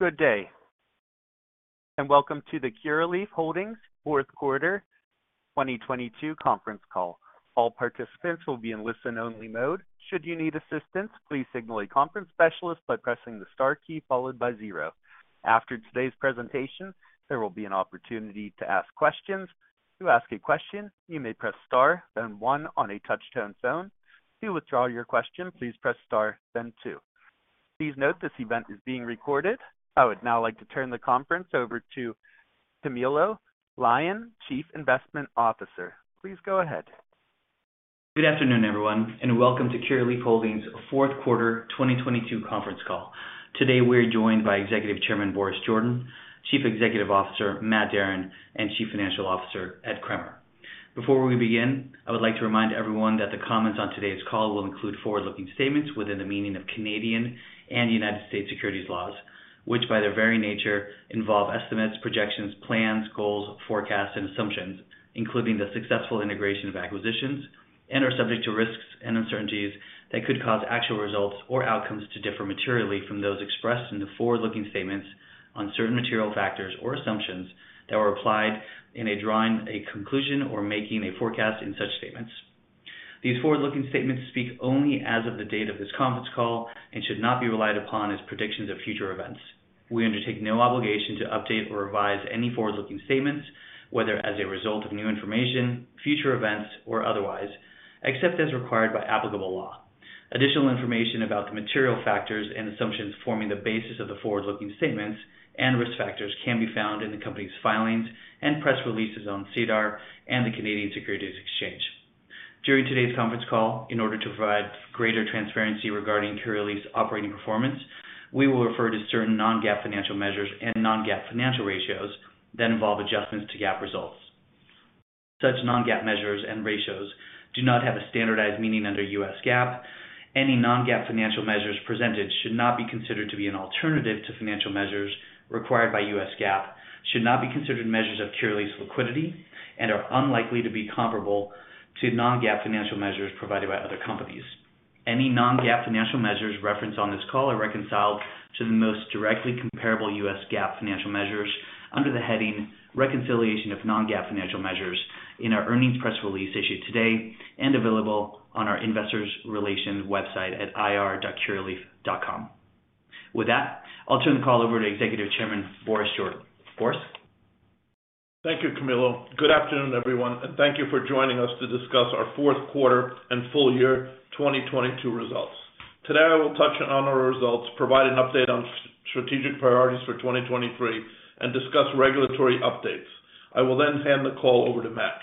Good day, and welcome to the Curaleaf Holdings Fourth Quarter 2022 conference call. All participants will be in listen-only mode. Should you need assistance, please signal a conference specialist by pressing the star key followed by zero. After today's presentation, there will be an opportunity to ask questions. To ask a question, you may press star then one on a touchtone phone. To withdraw your question, please press star then two. Please note this event is being recorded. I would now like to turn the conference over to Camilo Lyon, Chief Investment Officer. Please go ahead. Good afternoon, everyone, and welcome to Curaleaf Holdings' fourth quarter 2022 conference call. Today, we're joined by Executive Chairman, Boris Jordan, Chief Executive Officer, Matt Darin, and Chief Financial Officer, Ed Kremer. Before we begin, I would like to remind everyone that the comments on today's call will include forward-looking statements within the meaning of Canadian and United States securities laws, which, by their very nature, involve estimates, projections, plans, goals, forecasts, and assumptions, including the successful integration of acquisitions, and are subject to risks and uncertainties that could cause actual results or outcomes to differ materially from those expressed in the forward-looking statements on certain material factors or assumptions that were applied in a drawing a conclusion or making a forecast in such statements. These forward-looking statements speak only as of the date of this conference call and should not be relied upon as predictions of future events. We undertake no obligation to update or revise any forward-looking statements, whether as a result of new information, future events, or otherwise, except as required by applicable law. Additional information about the material factors and assumptions forming the basis of the forward-looking statements and risk factors can be found in the company's filings and press releases on SEDAR and the Canadian Securities Exchange. During today's conference call, in order to provide greater transparency regarding Curaleaf's operating performance, we will refer to certain non-GAAP financial measures and non-GAAP financial ratios that involve adjustments to GAAP results. Such non-GAAP measures and ratios do not have a standardized meaning under US GAAP. Any non-GAAP financial measures presented should not be considered to be an alternative to financial measures required by US GAAP, should not be considered measures of Curaleaf's liquidity and are unlikely to be comparable to non-GAAP financial measures provided by other companies. Any non-GAAP financial measures referenced on this call are reconciled to the most directly comparable US GAAP financial measures under the heading Reconciliation of Non-GAAP Financial Measures in our earnings press release issued today and available on our investors relations website at ir.curaleaf.com. With that, I'll turn the call over to Executive Chairman, Boris Jordan. Boris. Thank you, Camilo. Good afternoon, everyone. Thank you for joining us to discuss our fourth quarter and full year 2022 results. Today, I will touch on our results, provide an update on strategic priorities for 2023, and discuss regulatory updates. I will then hand the call over to Matt.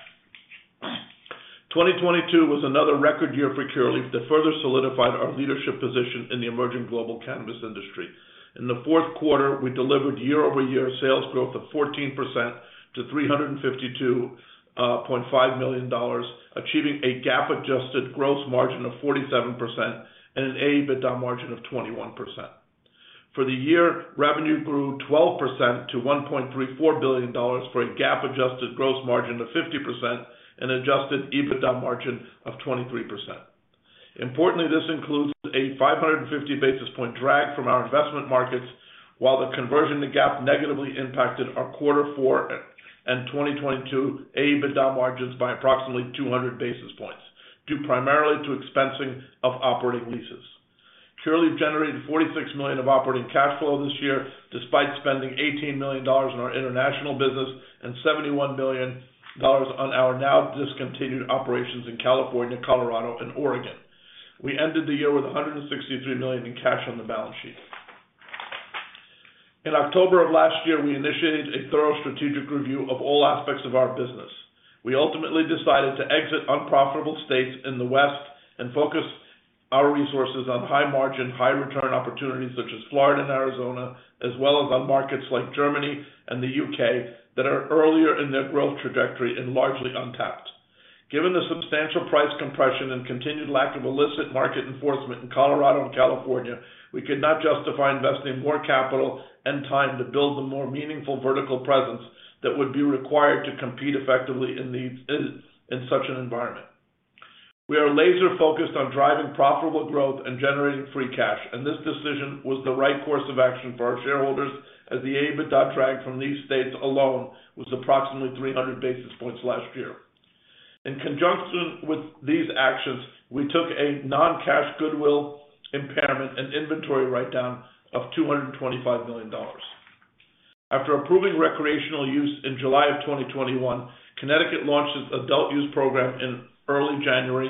2022 was another record year for Curaleaf that further solidified our leadership position in the emerging global cannabis industry. In the fourth quarter, we delivered year-over-year sales growth of 14% to $352.5 million, achieving a GAAP-adjusted gross margin of 47% and an Adjusted EBITDA margin of 21%. For the year, revenue grew 12% to $1.34 billion for a GAAP-adjusted gross margin of 50% and Adjusted EBITDA margin of 23%. Importantly, this includes a 550 basis point drag from our investment markets while the conversion to GAAP negatively impacted our quarter four and 2022 EBITDA margins by approximately 200 basis points, due primarily to expensing of operating leases. Curaleaf generated $46 million of operating cash flow this year despite spending $18 million in our international business and $71 million on our now-discontinued operations in California, Colorado, and Oregon. We ended the year with $163 million in cash on the balance sheet. In October of last year, we initiated a thorough strategic review of all aspects of our business. We ultimately decided to exit unprofitable states in the West and focus our resources on high margin, high return opportunities such as Florida and Arizona, as well as on markets like Germany and the U.K. that are earlier in their growth trajectory and largely untapped. Given the substantial price compression and continued lack of illicit market enforcement in Colorado and California, we could not justify investing more capital and time to build a more meaningful vertical presence that would be required to compete effectively in such an environment. We are laser-focused on driving profitable growth and generating free cash. This decision was the right course of action for our shareholders as the Adjusted EBITDA drag from these states alone was approximately 300 basis points last year. In conjunction with these actions, we took a non-cash goodwill impairment and inventory write-down of $225 million. After approving recreational use in July of 2021, Connecticut launched its adult use program in early January.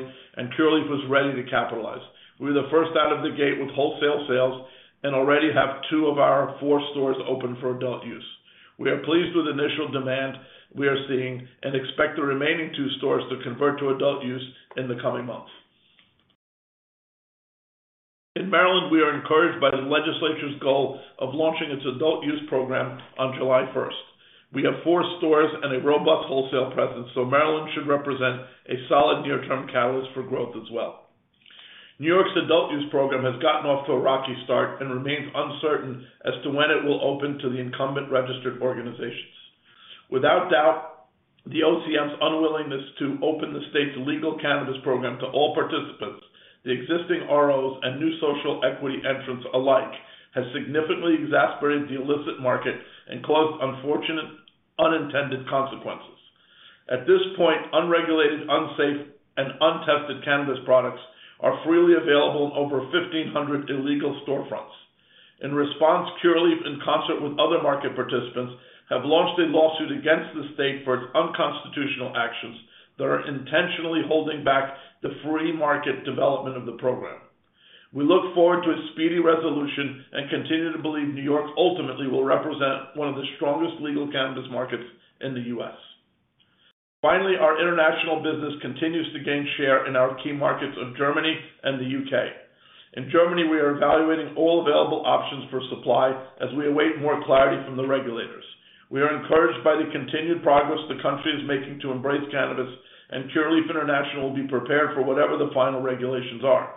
Curaleaf was ready to capitalize. We were the first out of the gate with wholesale sales and already have two of our four stores open for adult use. We are pleased with the initial demand we are seeing and expect the remaining two stores to convert to adult use in the coming months. In Maryland, we are encouraged by the legislature's goal of launching its adult use program on July 1st. We have four stores and a robust wholesale presence. Maryland should represent a solid near-term catalyst for growth as well. New York's adult use program has gotten off to a rocky start and remains uncertain as to when it will open to the incumbent registered organizations. Without doubt, the OCM's unwillingness to open the state's legal cannabis program to all participants, the existing ROs and new social equity entrants alike, has significantly exasperated the illicit market and caused unfortunate unintended consequences. At this point, unregulated, unsafe, and untested cannabis products are freely available in over 1,500 illegal storefronts. In response, Curaleaf, in concert with other market participants, have launched a lawsuit against the state for its unconstitutional actions that are intentionally holding back the free market development of the program. We look forward to a speedy resolution and continue to believe New York ultimately will represent one of the strongest legal cannabis markets in the U.S. Finally, our international business continues to gain share in our key markets of Germany and the U.K. In Germany, we are evaluating all available options for supply as we await more clarity from the regulators. We are encouraged by the continued progress the country is making to embrace cannabis. Curaleaf International will be prepared for whatever the final regulations are.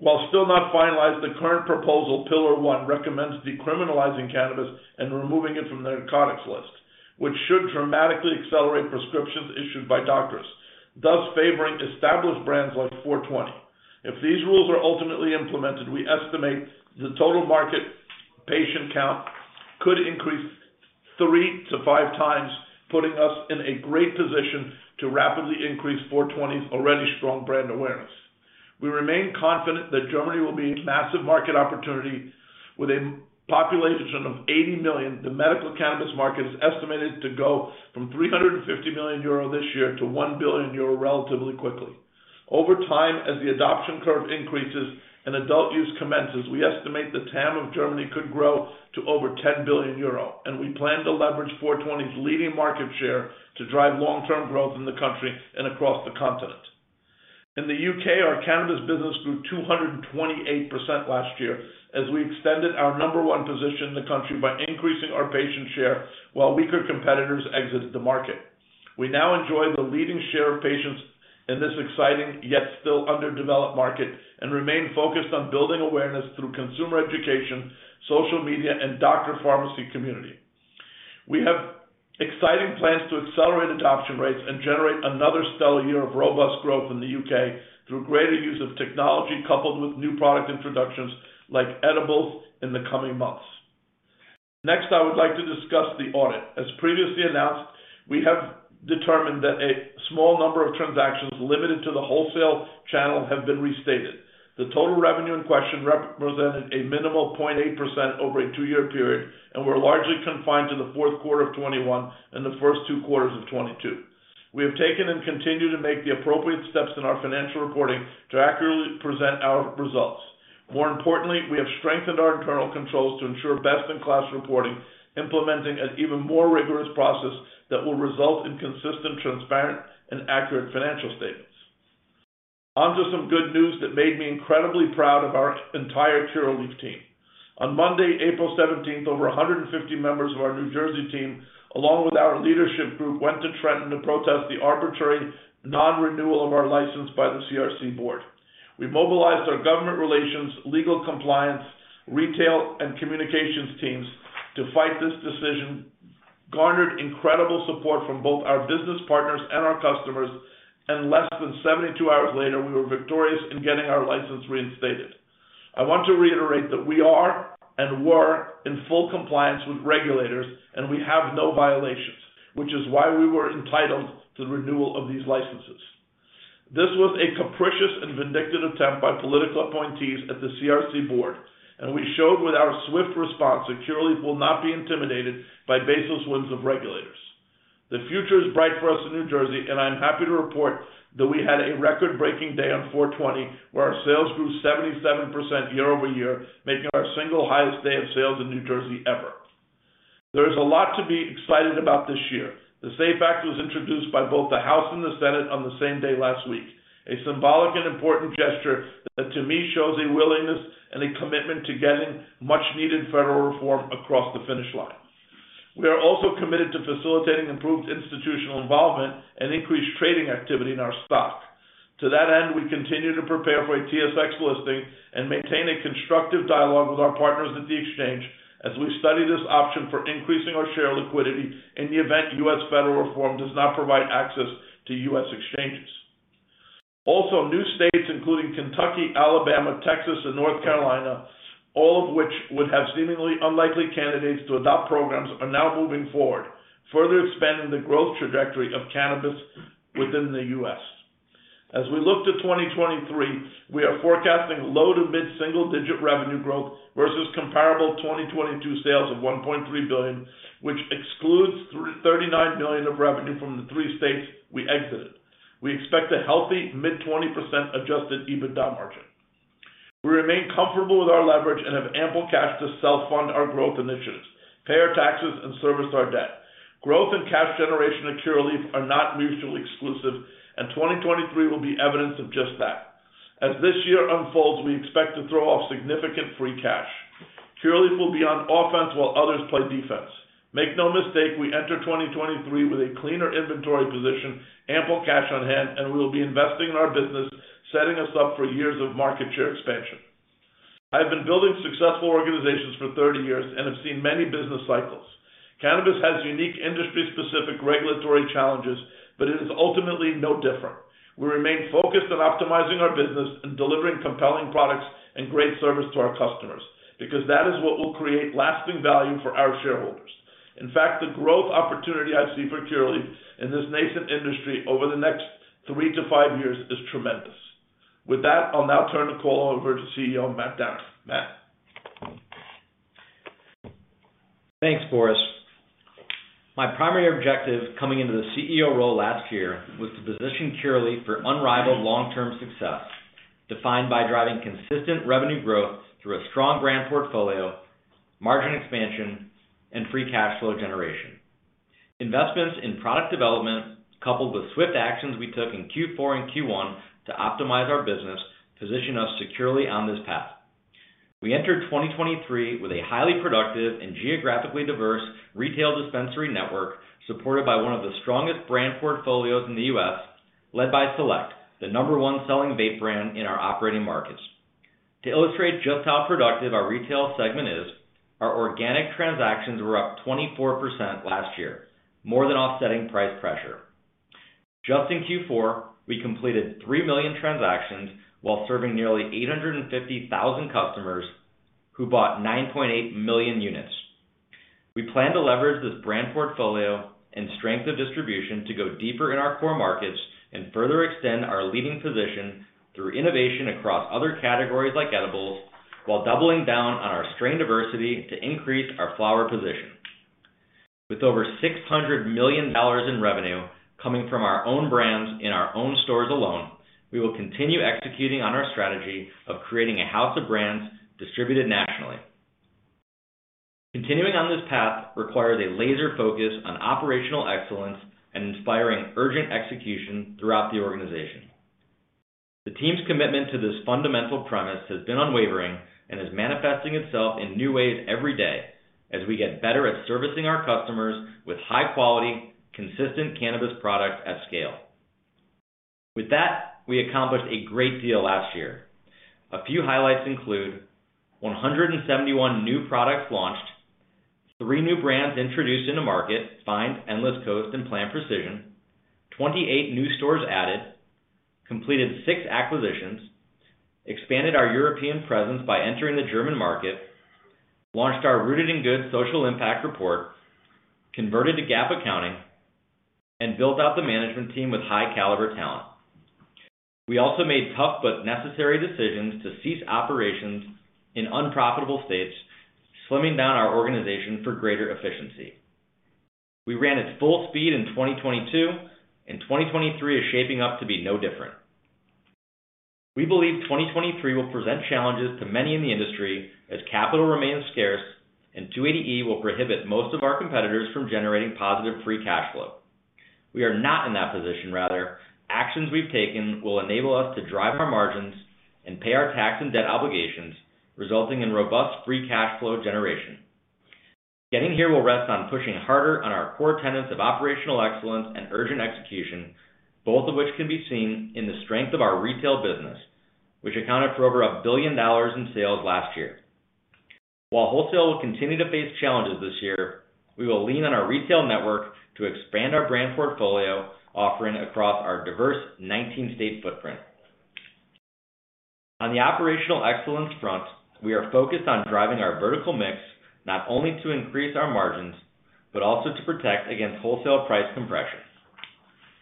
While still not finalized, the current proposal, Pillar One, recommends decriminalizing cannabis and removing it from the narcotics list, which should dramatically accelerate prescriptions issued by doctors, thus favoring established brands like Four20. If these rules are ultimately implemented, we estimate the total market patient count could increase 3x-5x, putting us in a great position to rapidly increase Four20's already strong brand awareness. We remain confident that Germany will be a massive market opportunity. With a population of 80 million, the medical cannabis market is estimated to go from 350 million euro this year to 1 billion euro relatively quickly. Over time, as the adoption curve increases and adult use commences, we estimate the TAM of Germany could grow to over 10 billion euro, we plan to leverage Four20's leading market share to drive long-term growth in the country and across the continent. In the U.K., our cannabis business grew 228% last year as we extended our number one position in the country by increasing our patient share while weaker competitors exited the market. We now enjoy the leading share of patients in this exciting, yet still underdeveloped market, and remain focused on building awareness through consumer education, social media, and doctor pharmacy community. We have exciting plans to accelerate adoption rates and generate another stellar year of robust growth in the U.K. through greater use of technology coupled with new product introductions like edibles in the coming months. I would like to discuss the audit. As previously announced, we have determined that a small number of transactions limited to the wholesale channel have been restated. The total revenue in question represented a minimal 0.8% over a two year period and were largely confined to the fourth quarter of 2021 and the first two quarters of 2022. We have taken and continue to make the appropriate steps in our financial reporting to accurately present our results. We have strengthened our internal controls to ensure best-in-class reporting, implementing an even more rigorous process that will result in consistent, transparent, and accurate financial statements. Onto some good news that made me incredibly proud of our entire Curaleaf team. On Monday, April 17th, over 150 members of our New Jersey team, along with our leadership group, went to Trenton to protest the arbitrary non-renewal of our license by the CRC board. We mobilized our government relations, legal compliance, retail, and communications teams to fight this decision, garnered incredible support from both our business partners and our customers, and less than 72 hours later, we were victorious in getting our license reinstated. I want to reiterate that we are and were in full compliance with regulators, and we have no violations, which is why we were entitled to the renewal of these licenses. This was a capricious and vindictive attempt by political appointees at the CRC board. We showed with our swift response that Curaleaf will not be intimidated by baseless whims of regulators. The future is bright for us in New Jersey. I'm happy to report that we had a record-breaking day on 4:20, where our sales grew 77% year-over-year, making it our single highest day of sales in New Jersey ever. There is a lot to be excited about this year. The SAFE Act was introduced by both the House and the Senate on the same day last week, a symbolic and important gesture that, to me, shows a willingness and a commitment to getting much-needed federal reform across the finish line. We are also committed to facilitating improved institutional involvement and increased trading activity in our stock. To that end, we continue to prepare for a TSX listing and maintain a constructive dialogue with our partners at the exchange as we study this option for increasing our share liquidity in the event U.S. federal reform does not provide access to U.S. exchanges. New states, including Kentucky, Alabama, Texas, and North Carolina, all of which would have seemingly unlikely candidates to adopt programs, are now moving forward, further expanding the growth trajectory of cannabis within the U.S. As we look to 2023, we are forecasting low-to-mid single-digit revenue growth versus comparable 2022 sales of $1.3 billion, which excludes $39 million of revenue from the three states we exited. We expect a healthy mid 20% Adjusted EBITDA margin. We remain comfortable with our leverage and have ample cash to self-fund our growth initiatives, pay our taxes, and service our debt. Growth and cash generation at Curaleaf are not mutually exclusive, 2023 will be evidence of just that. As this year unfolds, we expect to throw off significant free cash. Curaleaf will be on offense while others play defense. Make no mistake, we enter 2023 with a cleaner inventory position, ample cash on hand, and we will be investing in our business, setting us up for years of market share expansion. I've been building successful organizations for 30 years and have seen many business cycles. Cannabis has unique industry-specific regulatory challenges, but it is ultimately no different. We remain focused on optimizing our business and delivering compelling products and great service to our customers, because that is what will create lasting value for our shareholders. In fact, the growth opportunity I see for Curaleaf in this nascent industry over the next 3-5 years is tremendous. With that, I'll now turn the call over to CEO, Matt Darin. Matt. Thanks, Boris. My primary objective coming into the CEO role last year was to position Curaleaf for unrivaled long-term success, defined by driving consistent revenue growth through a strong brand portfolio, margin expansion, and free cash flow generation. Investments in product development, coupled with swift actions we took in Q4 and Q1 to optimize our business, position us securely on this path. We entered 2023 with a highly productive and geographically diverse retail dispensary network, supported by one of the strongest brand portfolios in the U.S., led by Select, the 1 selling vape brand in our operating markets. To illustrate just how productive our retail segment is, our organic transactions were up 24% last year, more than offsetting price pressure. Just in Q4, we completed 3 million transactions while serving nearly 850,000 customers who bought 9.8 million units. We plan to leverage this brand portfolio and strength of distribution to go deeper in our core markets and further extend our leading position through innovation across other categories like edibles, while doubling down on our strain diversity to increase our flower position. With over $600 million in revenue coming from our own brands in our own stores alone, we will continue executing on our strategy of creating a house of brands distributed nationally. Continuing on this path requires a laser focus on operational excellence and inspiring urgent execution throughout the organization. The team's commitment to this fundamental premise has been unwavering and is manifesting itself in new ways every day as we get better at servicing our customers with high-quality, consistent cannabis product at scale. With that, we accomplished a great deal last year. A few highlights include 171 new products launched, three new brands introduced in the market, Find, endless coast, and plant precision, 28 new stores added, completed 6 acquisitions, expanded our European presence by entering the German market, launched our Rooted in Good social impact report, converted to GAAP accounting, built out the management team with high caliber talent. We also made tough but necessary decisions to cease operations in unprofitable states, slimming down our organization for greater efficiency. We ran at full speed in 2022, 2023 is shaping up to be no different. We believe 2023 will present challenges to many in the industry as capital remains scarce, 280E will prohibit most of our competitors from generating positive free cash flow. We are not in that position. Rather, actions we've taken will enable us to drive our margins and pay our tax and debt obligations, resulting in robust free cash flow generation. Getting here will rest on pushing harder on our core tenets of operational excellence and urgent execution, both of which can be seen in the strength of our retail business, which accounted for over $1 billion in sales last year. While wholesale will continue to face challenges this year, we will lean on our retail network to expand our brand portfolio offering across our diverse 19-state footprint. On the operational excellence front, we are focused on driving our vertical mix not only to increase our margins, but also to protect against wholesale price compression.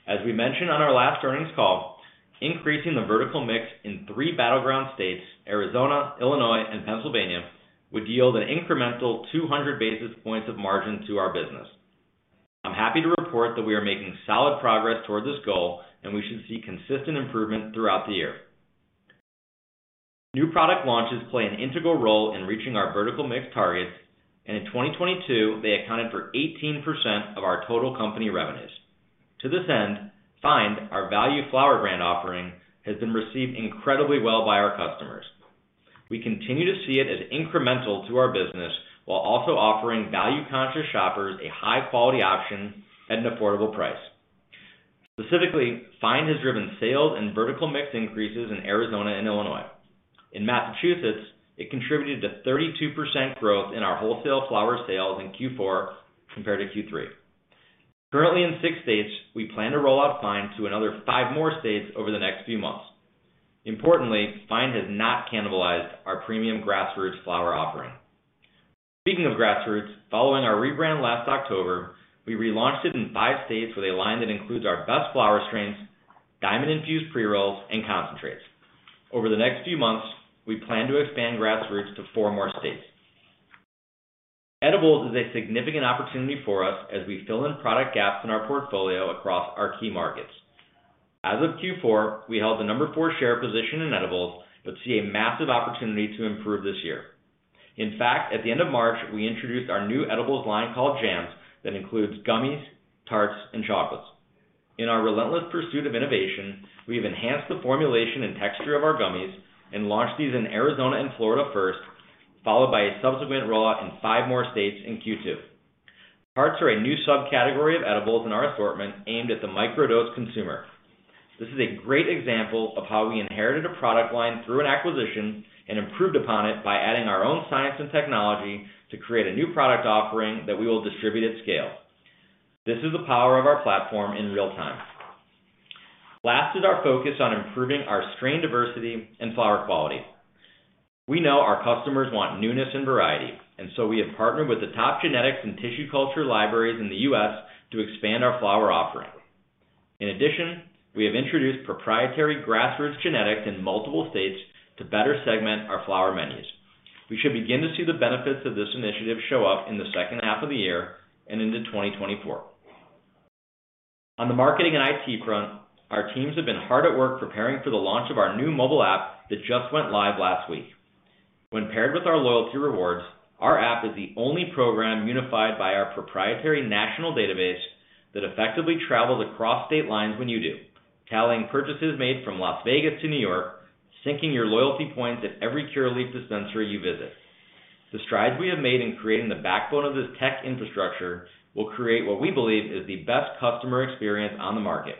As we mentioned on our last earnings call, increasing the vertical mix in three battleground states, Arizona, Illinois, and Pennsylvania, would yield an incremental 200 basis points of margin to our business. I'm happy to report that we are making solid progress towards this goal, and we should see consistent improvement throughout the year. In 2022, they accounted for 18% of our total company revenues. To this end, Find, our value flower brand offering, has been received incredibly well by our customers. We continue to see it as incremental to our business while also offering value-conscious shoppers a high-quality option at an affordable price. Specifically, Find has driven sales and vertical mix increases in Arizona and Illinois. In Massachusetts, it contributed to 32% growth in our wholesale flower sales in Q4 compared to Q3. Currently in six states, we plan to roll out Find to another five more states over the next few months. Importantly, Find has not cannibalized our premium Grassroots flower offering. Speaking of Grassroots, following our rebrand last October, we relaunched it in five states with a line that includes our best flower strains, diamond-infused pre-rolls, and concentrates. Over the next few months, we plan to expand Grassroots to four more states. Edibles is a significant opportunity for us as we fill in product gaps in our portfolio across our key markets. As of Q4, we held the number four share position in edibles, but see a massive opportunity to improve this year. In fact, at the end of March, we introduced our new edibles line called jams that includes gummies, tarts, and chocolates. In our relentless pursuit of innovation, we have enhanced the formulation and texture of our gummies and launched these in Arizona and Florida first, followed by a subsequent rollout in five more states in Q2. Hearts are a new subcategory of edibles in our assortment aimed at the microdose consumer. This is a great example of how we inherited a product line through an acquisition and improved upon it by adding our own science and technology to create a new product offering that we will distribute at scale. This is the power of our platform in real time. Last is our focus on improving our strain diversity and flower quality. We know our customers want newness and variety, and so we have partnered with the top genetics and tissue culture libraries in the U.S. to expand our flower offering. In addition, we have introduced proprietary Grassroots genetics in multiple states to better segment our flower menus. We should begin to see the benefits of this initiative show up in the second half of the year and into 2024. On the marketing and IT front, our teams have been hard at work preparing for the launch of our new mobile app that just went live last week. When paired with our loyalty rewards, our app is the only program unified by our proprietary national database that effectively travels across state lines when you do, tallying purchases made from Las Vegas to New York, syncing your loyalty points at every Curaleaf dispensary you visit. The strides we have made in creating the backbone of this tech infrastructure will create what we believe is the best customer experience on the market,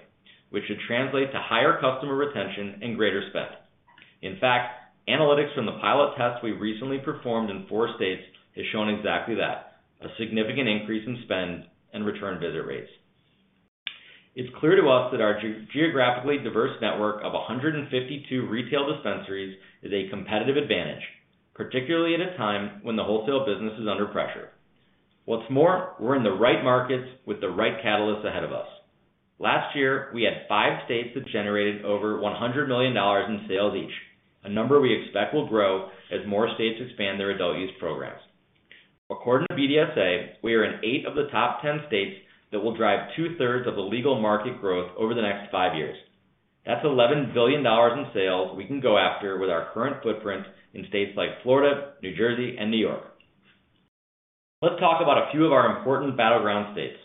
which should translate to higher customer retention and greater spend. In fact, analytics from the pilot test we recently performed in four states has shown exactly that, a significant increase in spend and return visit rates. It's clear to us that our geographically diverse network of 152 retail dispensaries is a competitive advantage, particularly at a time when the wholesale business is under pressure. What's more, we're in the right markets with the right catalysts ahead of us. Last year, we had five states that generated over $100 million in sales each, a number we expect will grow as more states expand their adult use programs. According to BDSA, we are in 8 of the top 10 states that will drive two-thirds of the legal market growth over the next five years. That's $11 billion in sales we can go after with our current footprint in states like Florida, New Jersey and New York. Let's talk about a few of our important battleground states.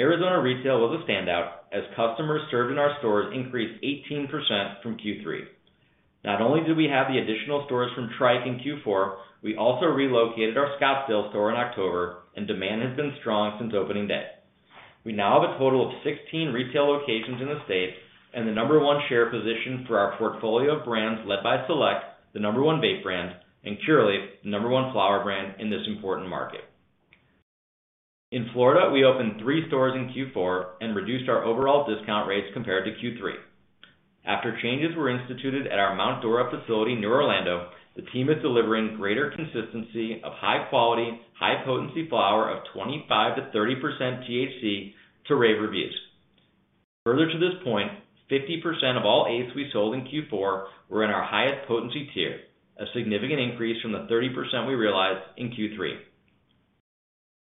Arizona retail was a standout as customers served in our stores increased 18% from Q3. Not only do we have the additional stores from Tryke in Q4, we also relocated our Scottsdale store in October and demand has been strong since opening day. We now have a total of 16 retail locations in the state and the number one share position for our portfolio of brands led by Select, the number one vape brand, and Curaleaf, the number one flower brand in this important market. In Florida, we opened three stores in Q4 and reduced our overall discount rates compared to Q3. After changes were instituted at our Mount Dora facility near Orlando, the team is delivering greater consistency of high quality, high potency flower of 25%-30% THC to rave reviews. Further to this point, 50% of all eighths we sold in Q4 were in our highest potency tier, a significant increase from the 30% we realized in Q3.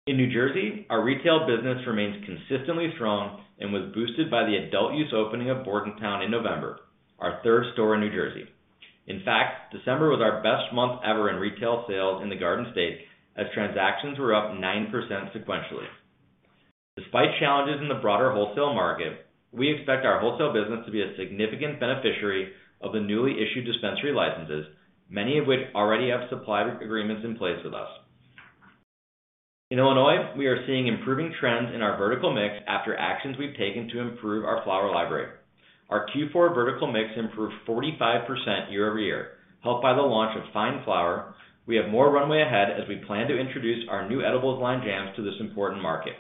In New Jersey, our retail business remains consistently strong and was boosted by the adult use opening of Bordentown in November, our third store in New Jersey. In fact, December was our best month ever in retail sales in the Garden State as transactions were up 9% sequentially. Despite challenges in the broader wholesale market, we expect our wholesale business to be a significant beneficiary of the newly issued dispensary licenses, many of which already have supply agreements in place with us. In Illinois, we are seeing improving trends in our vertical mix after actions we've taken to improve our flower library. Our Q4 vertical mix improved 45% year-over-year. Helped by the launch of Fine Flower, we have more runway ahead as we plan to introduce our new edibles line jams to this important market.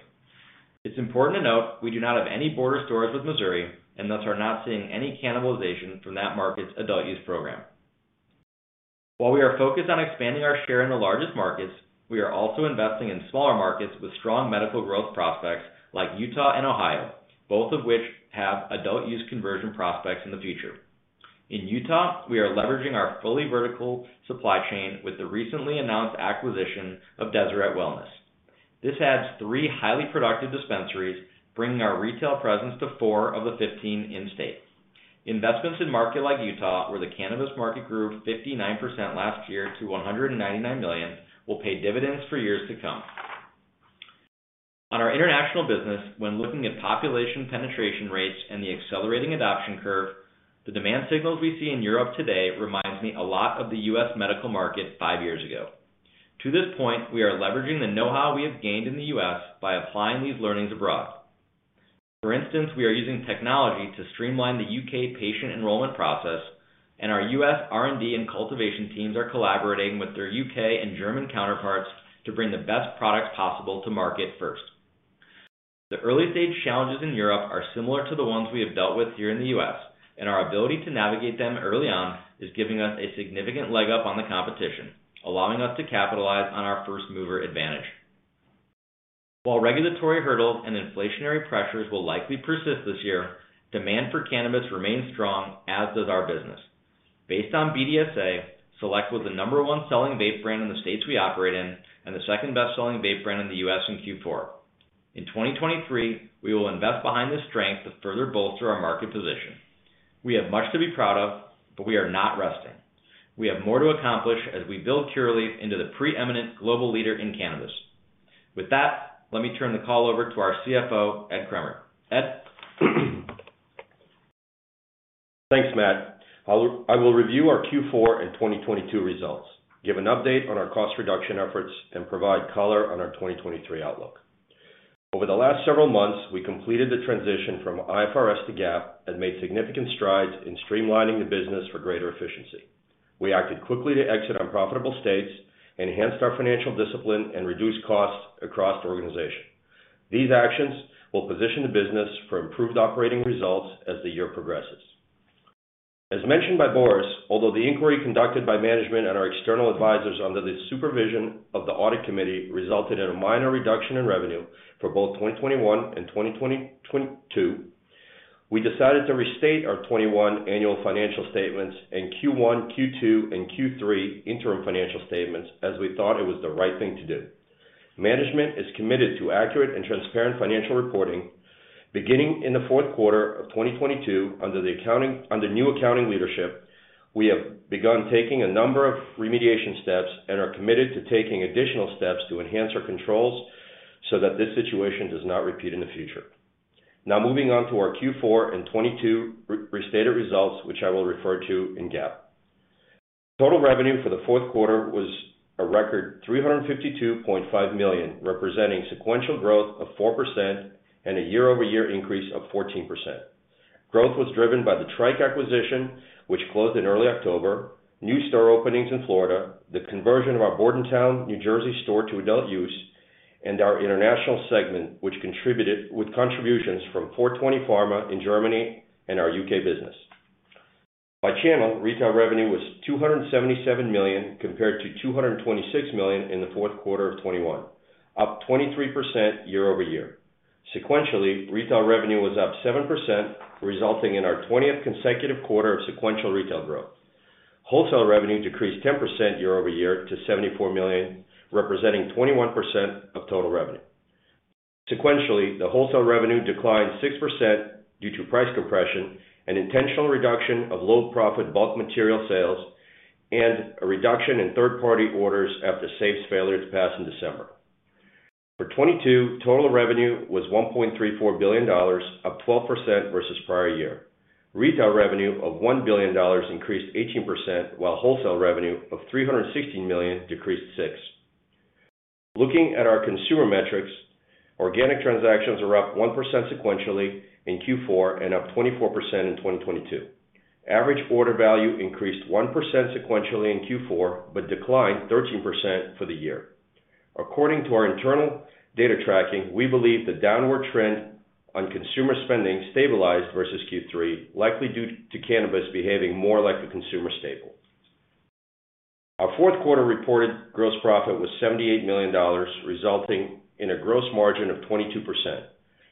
It's important to note we do not have any border stores with Missouri and thus are not seeing any cannibalization from that market's adult use program. While we are focused on expanding our share in the largest markets, we are also investing in smaller markets with strong medical growth prospects like Utah and Ohio, both of which have adult use conversion prospects in the future. In Utah, we are leveraging our fully vertical supply chain with the recently announced acquisition of Deseret Wellness. This adds 3 highly productive dispensaries, bringing our retail presence to four of the 15 in state. Investments in market like Utah, where the cannabis market grew 59% last year to $199 million, will pay dividends for years to come. On our international business, when looking at population penetration rates and the accelerating adoption curve, the demand signals we see in Europe today reminds me a lot of the U.S. medical market five years ago. To this point, we are leveraging the know-how we have gained in the U.S. by applying these learnings abroad. For instance, we are using technology to streamline the U.K. patient enrollment process. Our U.S. R&D and cultivation teams are collaborating with their U.K. and German counterparts to bring the best products possible to market first. The early-stage challenges in Europe are similar to the ones we have dealt with here in the U.S., and our ability to navigate them early on is giving us a significant leg up on the competition, allowing us to capitalize on our first-mover advantage. While regulatory hurdles and inflationary pressures will likely persist this year, demand for cannabis remains strong, as does our business. Based on BDSA, Select was the number one selling vape brand in the states we operate in and the second best-selling vape brand in the U.S. in Q4. In 2023, we will invest behind the strength to further bolster our market position. We have much to be proud of, but we are not resting. We have more to accomplish as we build Curaleaf into the preeminent global leader in cannabis. With that, let me turn the call over to our CFO, Ed Kremer. Ed? Thanks, Matt. I will review our Q4 and 2022 results, give an update on our cost reduction efforts, and provide color on our 2023 outlook. Over the last several months, we completed the transition from IFRS to GAAP and made significant strides in streamlining the business for greater efficiency. We acted quickly to exit unprofitable states, enhanced our financial discipline, and reduced costs across the organization. These actions will position the business for improved operating results as the year progresses. As mentioned by Boris, although the inquiry conducted by management and our external advisors under the supervision of the audit committee resulted in a minor reduction in revenue for both 2021 and 2022, we decided to restate our 2021 annual financial statements in Q1, Q2, and Q3 interim financial statements as we thought it was the right thing to do. Management is committed to accurate and transparent financial reporting. Beginning in the fourth quarter of 2022 under new accounting leadership, we have begun taking a number of remediation steps and are committed to taking additional steps to enhance our controls so that this situation does not repeat in the future. Now moving on to our Q4 and 2022 restated results, which I will refer to in GAAP. Total revenue for the fourth quarter was a record $352.5 million, representing sequential growth of 4% and a year-over-year increase of 14%. Growth was driven by the Tryke acquisition, which closed in early October, new store openings in Florida, the conversion of our Bordentown, New Jersey store to adult use, and our international segment, which contributed with contributions from Four 20 Pharma in Germany and our U.K. business. By channel, retail revenue was $277 million compared to $226 million in the fourth quarter of 2021, up 23% year-over-year. Sequentially, retail revenue was up 7%, resulting in our 20th consecutive quarter of sequential retail growth. Wholesale revenue decreased 10% year-over-year to $74 million, representing 21% of total revenue. Sequentially, the wholesale revenue declined 6% due to price compression, an intentional reduction of low-profit bulk material sales, and a reduction in third-party orders after SAFE's failure to pass in December. For 2022, total revenue was $1.34 billion, up 12% versus prior year. Retail revenue of $1 billion increased 18%, while wholesale revenue of $316 million decreased 6%. Looking at our consumer metrics, organic transactions were up 1% sequentially in Q4 and up 24% in 2022. Average order value increased 1% sequentially in Q4, but declined 13% for the year. According to our internal data tracking, we believe the downward trend on consumer spending stabilized versus Q3, likely due to cannabis behaving more like a consumer staple. Our fourth quarter reported gross profit was $78 million, resulting in a gross margin of 22%.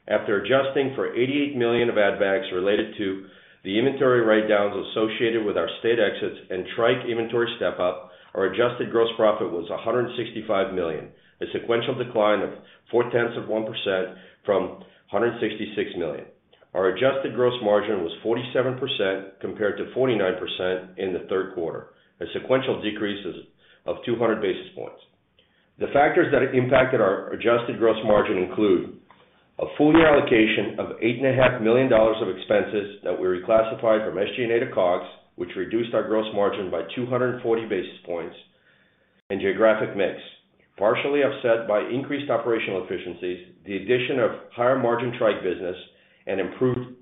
Adjusting for $88 million of add backs related to the inventory write-downs associated with our state exits and Tryke inventory step-up, our adjusted gross profit was $165 million, a sequential decline of 0.4% from $166 million. Our adjusted gross margin was 47% compared to 49% in the third quarter, a sequential decrease of 200 basis points. The factors that have impacted our adjusted gross margin include a full year allocation of $8.5 million of expenses that we reclassified from SG&A to COGS, which reduced our gross margin by 240 basis points and geographic mix, partially offset by increased operational efficiencies, the addition of higher margin Tryke business, and improved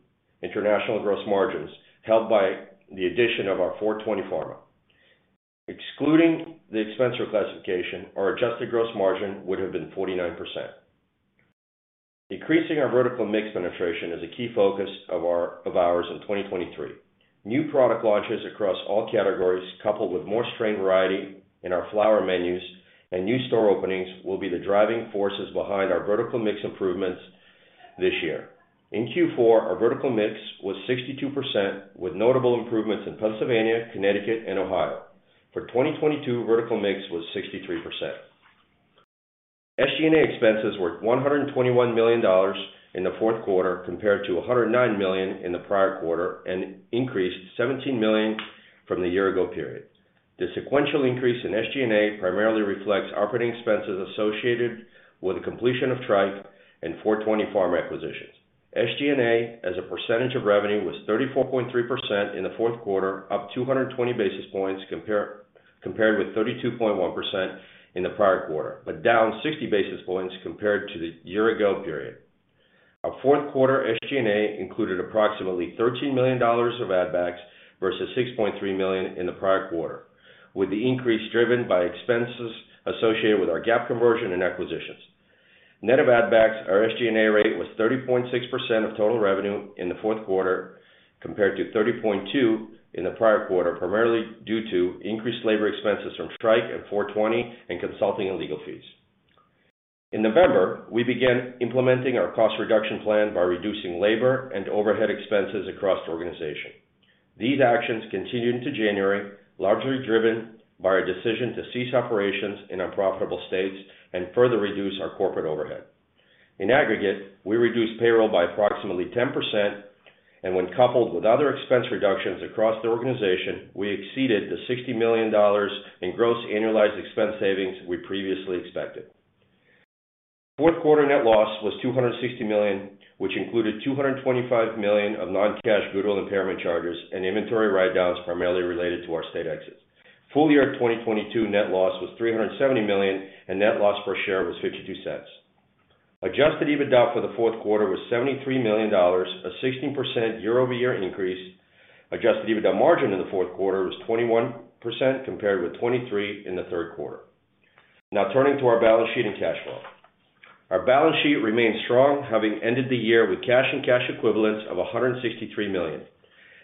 international gross margins held by the addition of our Four 20 Pharma. Excluding the expense reclassification, our adjusted gross margin would have been 49%. Increasing our vertical mix penetration is a key focus of ours in 2023. New product launches across all categories, coupled with more strain variety in our flower menus and new store openings, will be the driving forces behind our vertical mix improvements this year. In Q4, our vertical mix was 62%, with notable improvements in Pennsylvania, Connecticut, and Ohio. For 2022, vertical mix was 63%. SG&A expenses were $121 million in the fourth quarter, compared to $109 million in the prior quarter, and increased $17 million from the year-ago period. The sequential increase in SG&A primarily reflects operating expenses associated with the completion of Tryke and Four 20 Pharma acquisitions. SG&A as a percentage of revenue was 34.3% in the fourth quarter, up 220 basis points compared with 32.1% in the prior quarter, but down 60 basis points compared to the year-ago period. Our fourth quarter SG&A included approximately $13 million of add backs versus $6.3 million in the prior quarter, with the increase driven by expenses associated with our GAAP conversion and acquisitions. Net of add backs, our SG&A rate was 30.6% of total revenue in the fourth quarter compared to 30.2% in the prior quarter, primarily due to increased labor expenses from Tryke and 420 and consulting and legal fees. In November, we began implementing our cost reduction plan by reducing labor and overhead expenses across the organization. These actions continued into January, largely driven by our decision to cease operations in unprofitable states and further reduce our corporate overhead. In aggregate, we reduced payroll by approximately 10%, and when coupled with other expense reductions across the organization, we exceeded the $60 million in gross annualized expense savings we previously expected. Fourth quarter net loss was $260 million, which included $225 million of non-cash goodwill impairment charges and inventory write-downs primarily related to our state exits. Full year 2022 net loss was $370 million, and net loss per share was $0.52. Adjusted EBITDA for the fourth quarter was $73 million, a 16% year-over-year increase. Adjusted EBITDA margin in the fourth quarter was 21% compared with 23% in the third quarter. Turning to our balance sheet and cash flow. Our balance sheet remains strong, having ended the year with cash and cash equivalents of $163 million.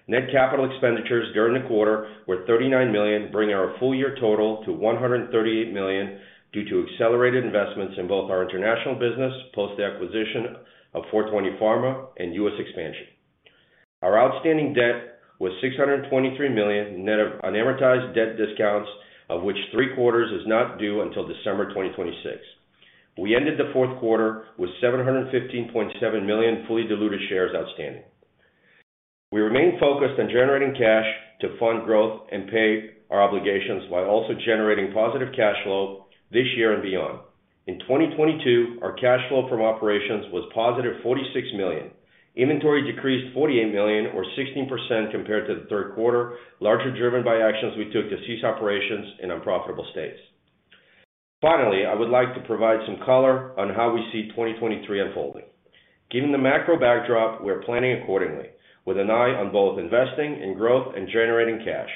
Net capital expenditures during the quarter were $39 million, bringing our full year total to $138 million due to accelerated investments in both our international business post the acquisition of Four 20 Pharma and U.S. expansion. Our outstanding debt was $623 million, net of unamortized debt discounts, of which three-quarters is not due until December 2026. We ended the fourth quarter with 715.7 million fully diluted shares outstanding. We remain focused on generating cash to fund growth and pay our obligations while also generating positive cash flow this year and beyond. In 2022, our cash flow from operations was positive $46 million. Inventory decreased $48 million or 16% compared to the third quarter, largely driven by actions we took to cease operations in unprofitable states. I would like to provide some color on how we see 2023 unfolding. Given the macro backdrop, we are planning accordingly with an eye on both investing in growth and generating cash.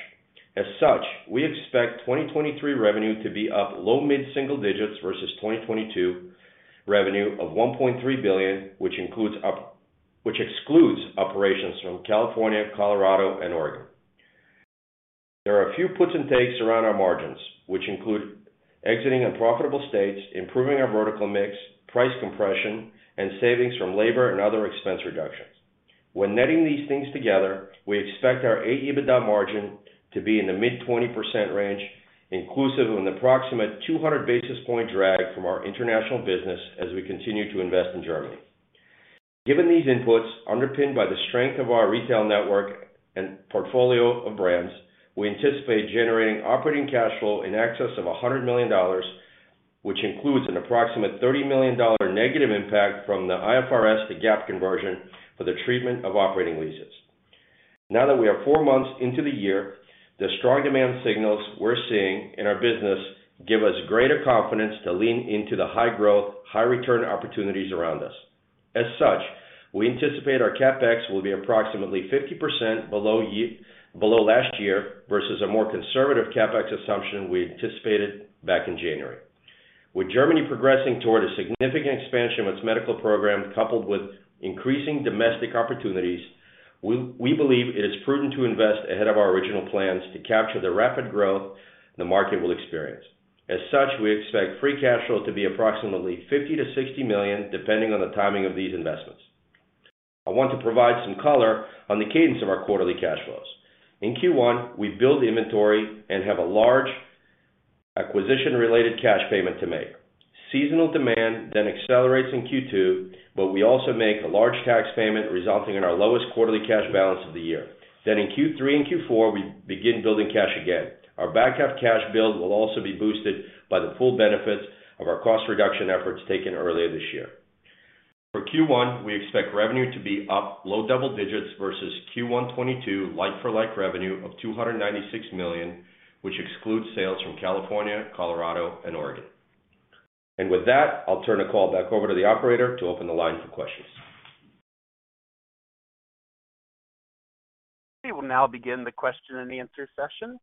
As such, we expect 2023 revenue to be up low mid-single digits versus 2022 revenue of $1.3 billion, which excludes operations from California, Colorado and Oregon. There are a few puts and takes around our margins, which include exiting unprofitable states, improving our vertical mix, price compression, and savings from labor and other expense reductions. When netting these things together, we expect our AEBITDA margin to be in the mid-20% range, inclusive of an approximate 200 basis point drag from our international business as we continue to invest in Germany. Given these inputs underpinned by the strength of our retail network and portfolio of brands, we anticipate generating operating cash flow in excess of $100 million, which includes an approximate $30 million negative impact from the IFRS to GAAP conversion for the treatment of operating leases. Now that we are four months into the year, the strong demand signals we're seeing in our business give us greater confidence to lean into the high growth, high return opportunities around us. We anticipate our CapEx will be approximately 50% below last year versus a more conservative CapEx assumption we anticipated back in January. With Germany progressing toward a significant expansion of its medical program, coupled with increasing domestic opportunities, we believe it is prudent to invest ahead of our original plans to capture the rapid growth the market will experience. We expect free cash flow to be approximately $50 million-$60 million, depending on the timing of these investments. I want to provide some color on the cadence of our quarterly cash flows. In Q1, we build inventory and have a large acquisition-related cash payment to make. Seasonal demand then accelerates in Q2, but we also make a large tax payment, resulting in our lowest quarterly cash balance of the year. In Q3 and Q4, we begin building cash again. Our back half cash build will also be boosted by the full benefits of our cost reduction efforts taken earlier this year. For Q1, we expect revenue to be up low double digits versus Q1 2022 like-for-like revenue of $296 million, which excludes sales from California, Colorado, and Oregon. With that, I'll turn the call back over to the operator to open the line for questions. We will now begin the question and answer session.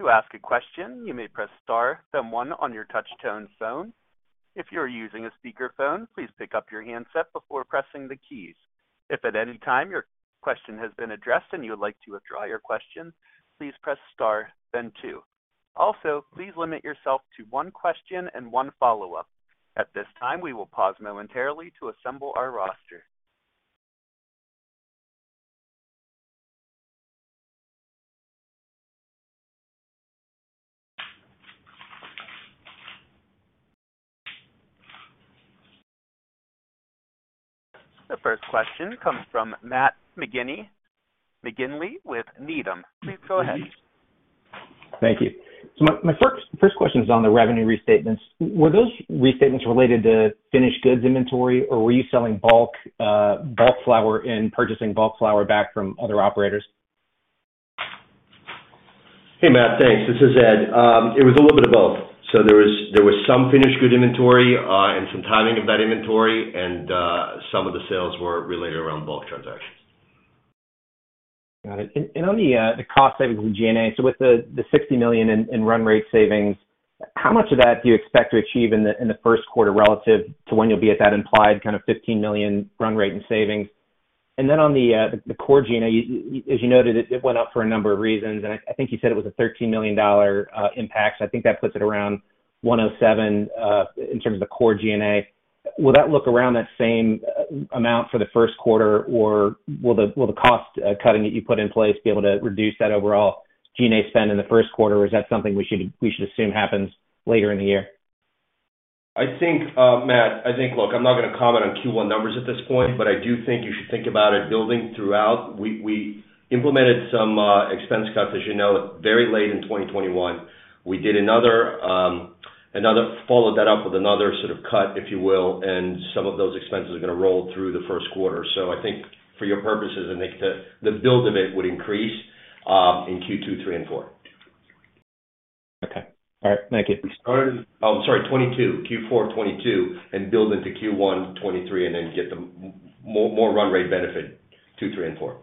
To ask a question, you may press Star then 1 on your touchtone phone. If you are using a speakerphone, please pick up your handset before pressing the keys. If at any time your question has been addressed and you would like to withdraw your question, please press Star then 2. Also, please limit yourself to one question and one follow-up. At this time, we will pause momentarily to assemble our roster. The first question comes from Matt McGinley with Needham. Please go ahead. Thank you. My first question is on the revenue restatements. Were those restatements related to finished goods inventory, or were you selling bulk flower and purchasing bulk flower back from other operators? Hey, Matt, thanks. This is Ed. It was a little bit of both. There was some finished good inventory, and some timing of that inventory and some of the sales were related around bulk transactions. Got it. On the cost savings in G&A, with the $60 million in run rate savings, how much of that do you expect to achieve in the first quarter relative to when you'll be at that implied kind of $15 million run rate in savings? On the core G&A, as you noted, it went up for a number of reasons, and I think you said it was a $13 million impact. I think that puts it around 107 in terms of the core G&A. Will that look around that same amount for the first quarter, or will the cost cutting that you put in place be able to reduce that overall G&A spend in the first quarter, or is that something we should assume happens later in the year? I think, Matt, Look, I'm not gonna comment on Q1 numbers at this point, but I do think you should think about it building throughout. We implemented some expense cuts, as you know, very late in 2021. We did another, followed that up with another sort of cut, if you will, and some of those expenses are gonna roll through the first quarter. I think for your purposes, I think the build of it would increase in Q2, Q3 and Q4. Okay. All right. Thank you. Oh, sorry, 2022, Q4 2022, and build into Q1 2023, and then get the more run rate benefit two, three and four.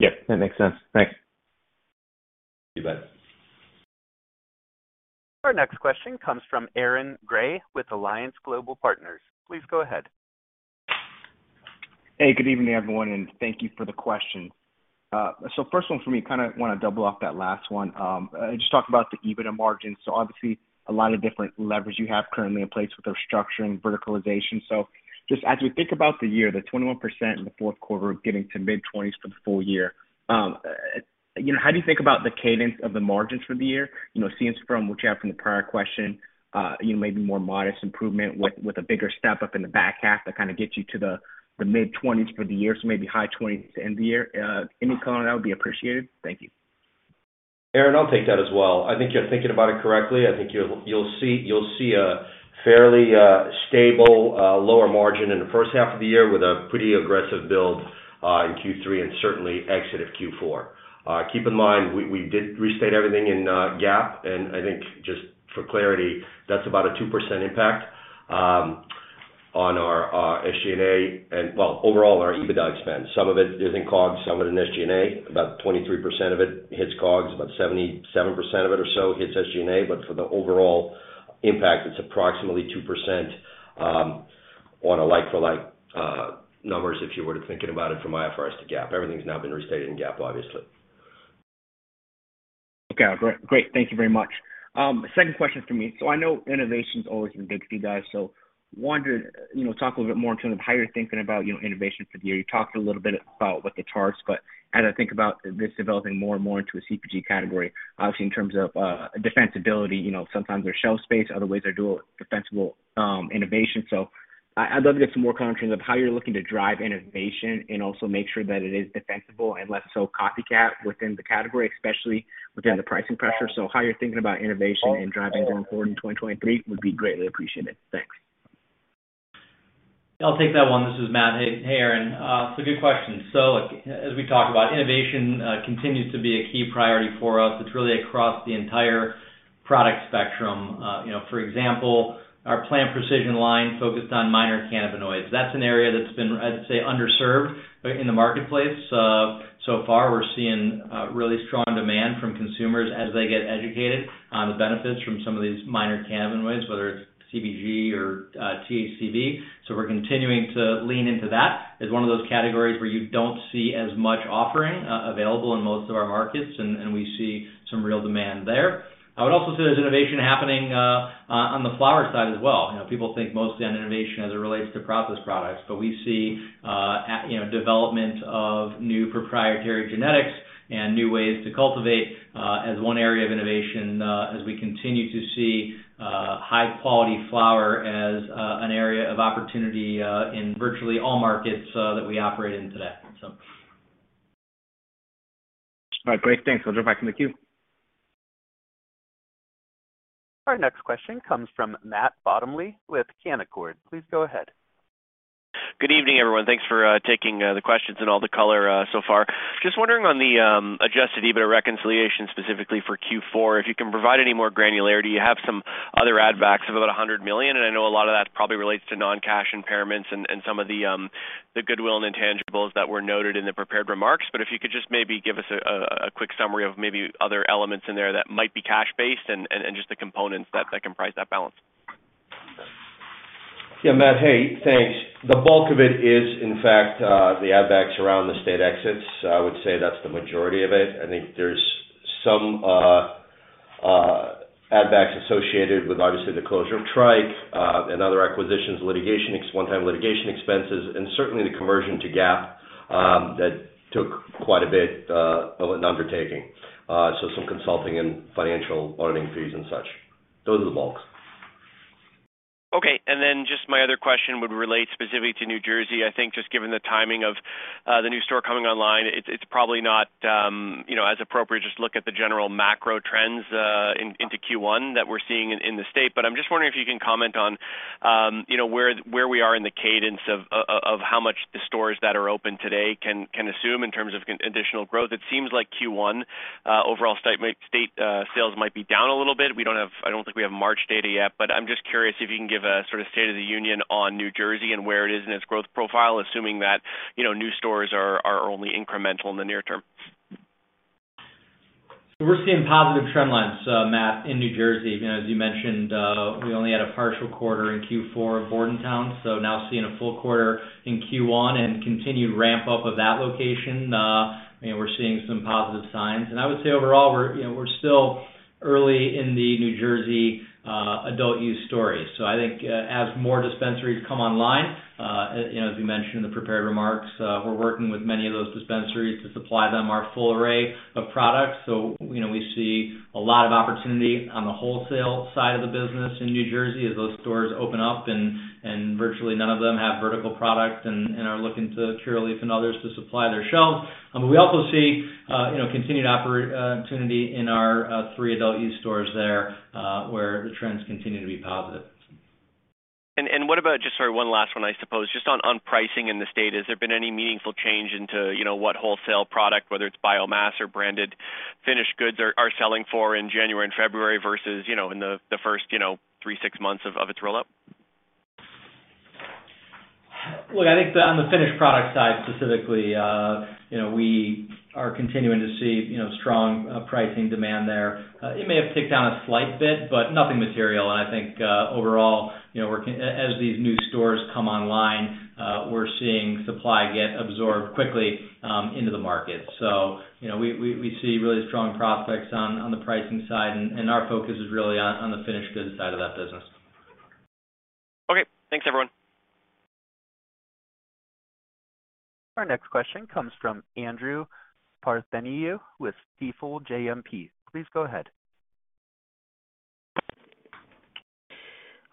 Yep, that makes sense. Thanks. Thank you, bud. Our next question comes from Aaron Grey with Alliance Global Partners. Please go ahead. Hey, good evening, everyone, thank you for the question. First one for me, kind of wanna double off that last one. Just talk about the EBITDA margins. Obviously a lot of different levers you have currently in place with those structuring verticalization. Just as we think about the year, the 21% in the fourth quarter getting to mid-20s for the full year, you know, how do you think about the cadence of the margins for the year? You know, seeing from what you have from the prior question, you know, maybe more modest improvement with a bigger step up in the back half that kind of gets you to the mid-20s for the year, so maybe high 20s to end the year. Any color on that would be appreciated. Thank you. Aaron, I'll take that as well. I think you're thinking about it correctly. I think you'll see a fairly stable lower margin in the first half of the year with a pretty aggressive build in Q3 and certainly exit of Q4. Keep in mind, we did restate everything in GAAP, I think just for clarity, that's about a 2% impact on our SG&A and, well, overall on our EBITDA expense. Some of it is in COGS, some of it in SG&A. About 23% of it hits COGS, about 77% of it or so hits SG&A. For the overall impact, it's approximately 2% on a like-for-like numbers, if you were to thinking about it from IFRS to GAAP. Everything's now been restated in GAAP, obviously. Okay. Great. Great. Thank you very much. Second question for me. I know innovation's always been big for you guys. Wondered, you know, talk a little bit more in terms of how you're thinking about, you know, innovation for the year. You talked a little bit about with the charts, but as I think about this developing more and more into a CPG category, obviously in terms of defensibility, you know, sometimes there's shelf space, other ways are dual defensible, innovation. I'd love to get some more commentary on how you're looking to drive innovation and also make sure that it is defensible and less so copycat within the category, especially within the pricing pressure. How you're thinking about innovation and driving going forward in 2023 would be greatly appreciated. Thanks. I'll take that one. This is Matt. Hey, Aaron. It's a good question. As we talked about, innovation continues to be a key priority for us. It's really across the entire product spectrum. You know, for example, our Plant Precision line focused on minor cannabinoids. That's an area that's been, I'd say, underserved in the marketplace. So far we're seeing really strong demand from consumers as they get educated on the benefits from some of these minor cannabinoids, whether it's CBG or THCV. We're continuing to lean into that as one of those categories where you don't see as much offering available in most of our markets, and we see some real demand there. I would also say there's innovation happening on the flower side as well. You know, people think mostly on innovation as it relates to processed products, but we see, you know, development of new proprietary genetics and new ways to cultivate, as one area of innovation, as we continue to see, high-quality flower as, an area of opportunity, in virtually all markets, that we operate in today. All right, great. Thanks. I'll drop back in the queue. Our next question comes from Matt Bottomley with Canaccord. Please go ahead. Good evening, everyone. Thanks for taking the questions and all the color so far. Just wondering on the Adjusted EBITDA reconciliation, specifically for Q4, if you can provide any more granularity. You have some other add backs of about $100 million, and I know a lot of that probably relates to non-cash impairments and some of the goodwill and intangibles that were noted in the prepared remarks. If you could just maybe give us a quick summary of maybe other elements in there that might be cash based and just the components that comprise that balance. Yeah, Matt, hey, thanks. The bulk of it is, in fact, the add backs around the state exits. I would say that's the majority of it. I think there's some add backs associated with obviously the closure of Tryke and other acquisitions, one-time litigation expenses, and certainly the conversion to GAAP, that took quite a bit of an undertaking. Some consulting and financial auditing fees and such. Those are the bulk. Okay. Just my other question would relate specifically to New Jersey. I think just given the timing of the new store coming online, it's probably not, you know, as appropriate, just look at the general macro trends into Q1 that we're seeing in the state. I'm just wondering if you can comment on, you know, where we are in the cadence of how much the stores that are open today can assume in terms of additional growth. It seems like Q1 overall state sales might be down a little bit. I don't think we have March data yet, but I'm just curious if you can give a sort of state of the union on New Jersey and where it is in its growth profile, assuming that, you know, new stores are only incremental in the near term. We're seeing positive trend lines, Matt, in New Jersey. You know, as you mentioned, we only had a partial quarter in Q4 of Bordentown. Now seeing a full quarter in Q1 and continued ramp-up of that location, you know, we're seeing some positive signs. I would say overall, we're, you know, we're still early in the New Jersey adult use story. I think, as more dispensaries come online, you know, as we mentioned in the prepared remarks, we're working with many of those dispensaries to supply them our full array of products. You know, we see a lot of opportunity on the wholesale side of the business in New Jersey as those stores open up and virtually none of them have vertical product and are looking to Curaleaf and others to supply their shelves. We also see, you know, continued opportunity in our 3 adult e-stores there, where the trends continue to be positive. What about just sort of one last one, I suppose, just on pricing in the state. Has there been any meaningful change into, you know, what wholesale product, whether it's biomass or branded finished goods are selling for in January and February versus, you know, in the first, you know, three, six months of its rollout? Look, I think on the finished product side specifically, you know, we are continuing to see, you know, strong pricing demand there. It may have ticked down a slight bit, but nothing material. I think overall, you know, as these new stores come online, we're seeing supply get absorbed quickly into the market. you know, we see really strong prospects on the pricing side, and our focus is really on the finished goods side of that business. Okay. Thanks, everyone. Our next question comes from Andrew Partheniou with Stifel GMP. Please go ahead.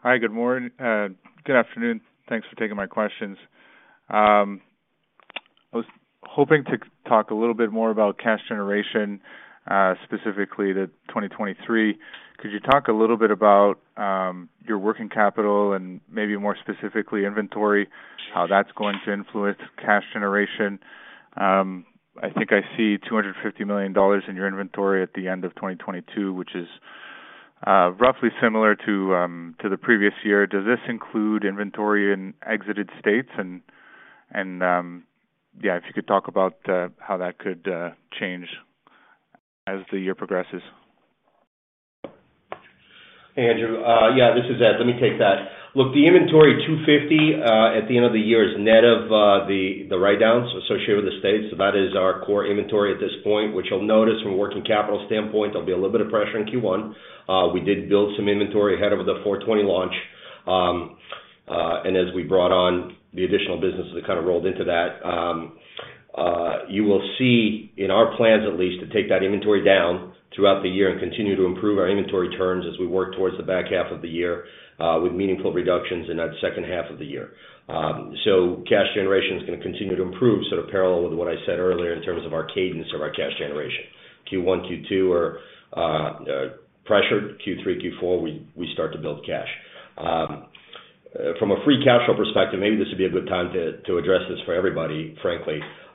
Hi, good morning. Good afternoon. Thanks for taking my questions. I was hoping to talk a little bit more about cash generation, specifically the 2023. Could you talk a little bit about your working capital and maybe more specifically inventory, how that's going to influence cash generation? I think I see $250 million in your inventory at the end of 2022, which is roughly similar to the previous year. Does this include inventory in exited states? If you could talk about how that could change as the year progresses. Hey, Andrew Partheniou. Yeah, this is Ed Kremer. Let me take that. Look, the inventory $250 at the end of the year is net of the write-downs associated with the states. That is our core inventory at this point, which you'll notice from a working capital standpoint, there'll be a little bit of pressure in Q1. We did build some inventory ahead of the Four20 launch. As we brought on the additional business that kind of rolled into that, you will see in our plans at least to take that inventory down throughout the year and continue to improve our inventory terms as we work towards the back half of the year, with meaningful reductions in that second half of the year. Cash generation is gonna continue to improve, sort of parallel with what I said earlier in terms of our cadence of our cash generation. Q1, Q2 are pressured. Q3, Q4, we start to build cash. From a free cash flow perspective, maybe this would be a good time to address this for everybody, frankly. On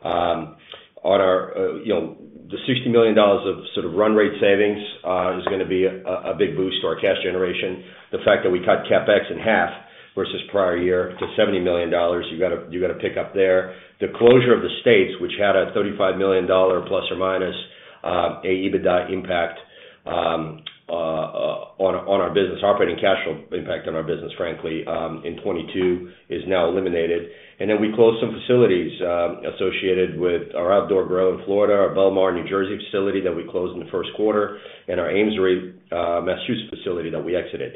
our, you know, the $60 million of sort of run rate savings, is gonna be a big boost to our cash generation. The fact that we cut CapEx in half versus prior year to $70 million, you got to pick up there. The closure of the states, which had a $35 million ± EBITDA impact on our business, operating cash flow impact on our business, frankly, in 2022 is now eliminated. We closed some facilities associated with our outdoor grow in Florida, our Belmar, New Jersey facility that we closed in the first quarter, and our Amesbury, Massachusetts facility that we exited.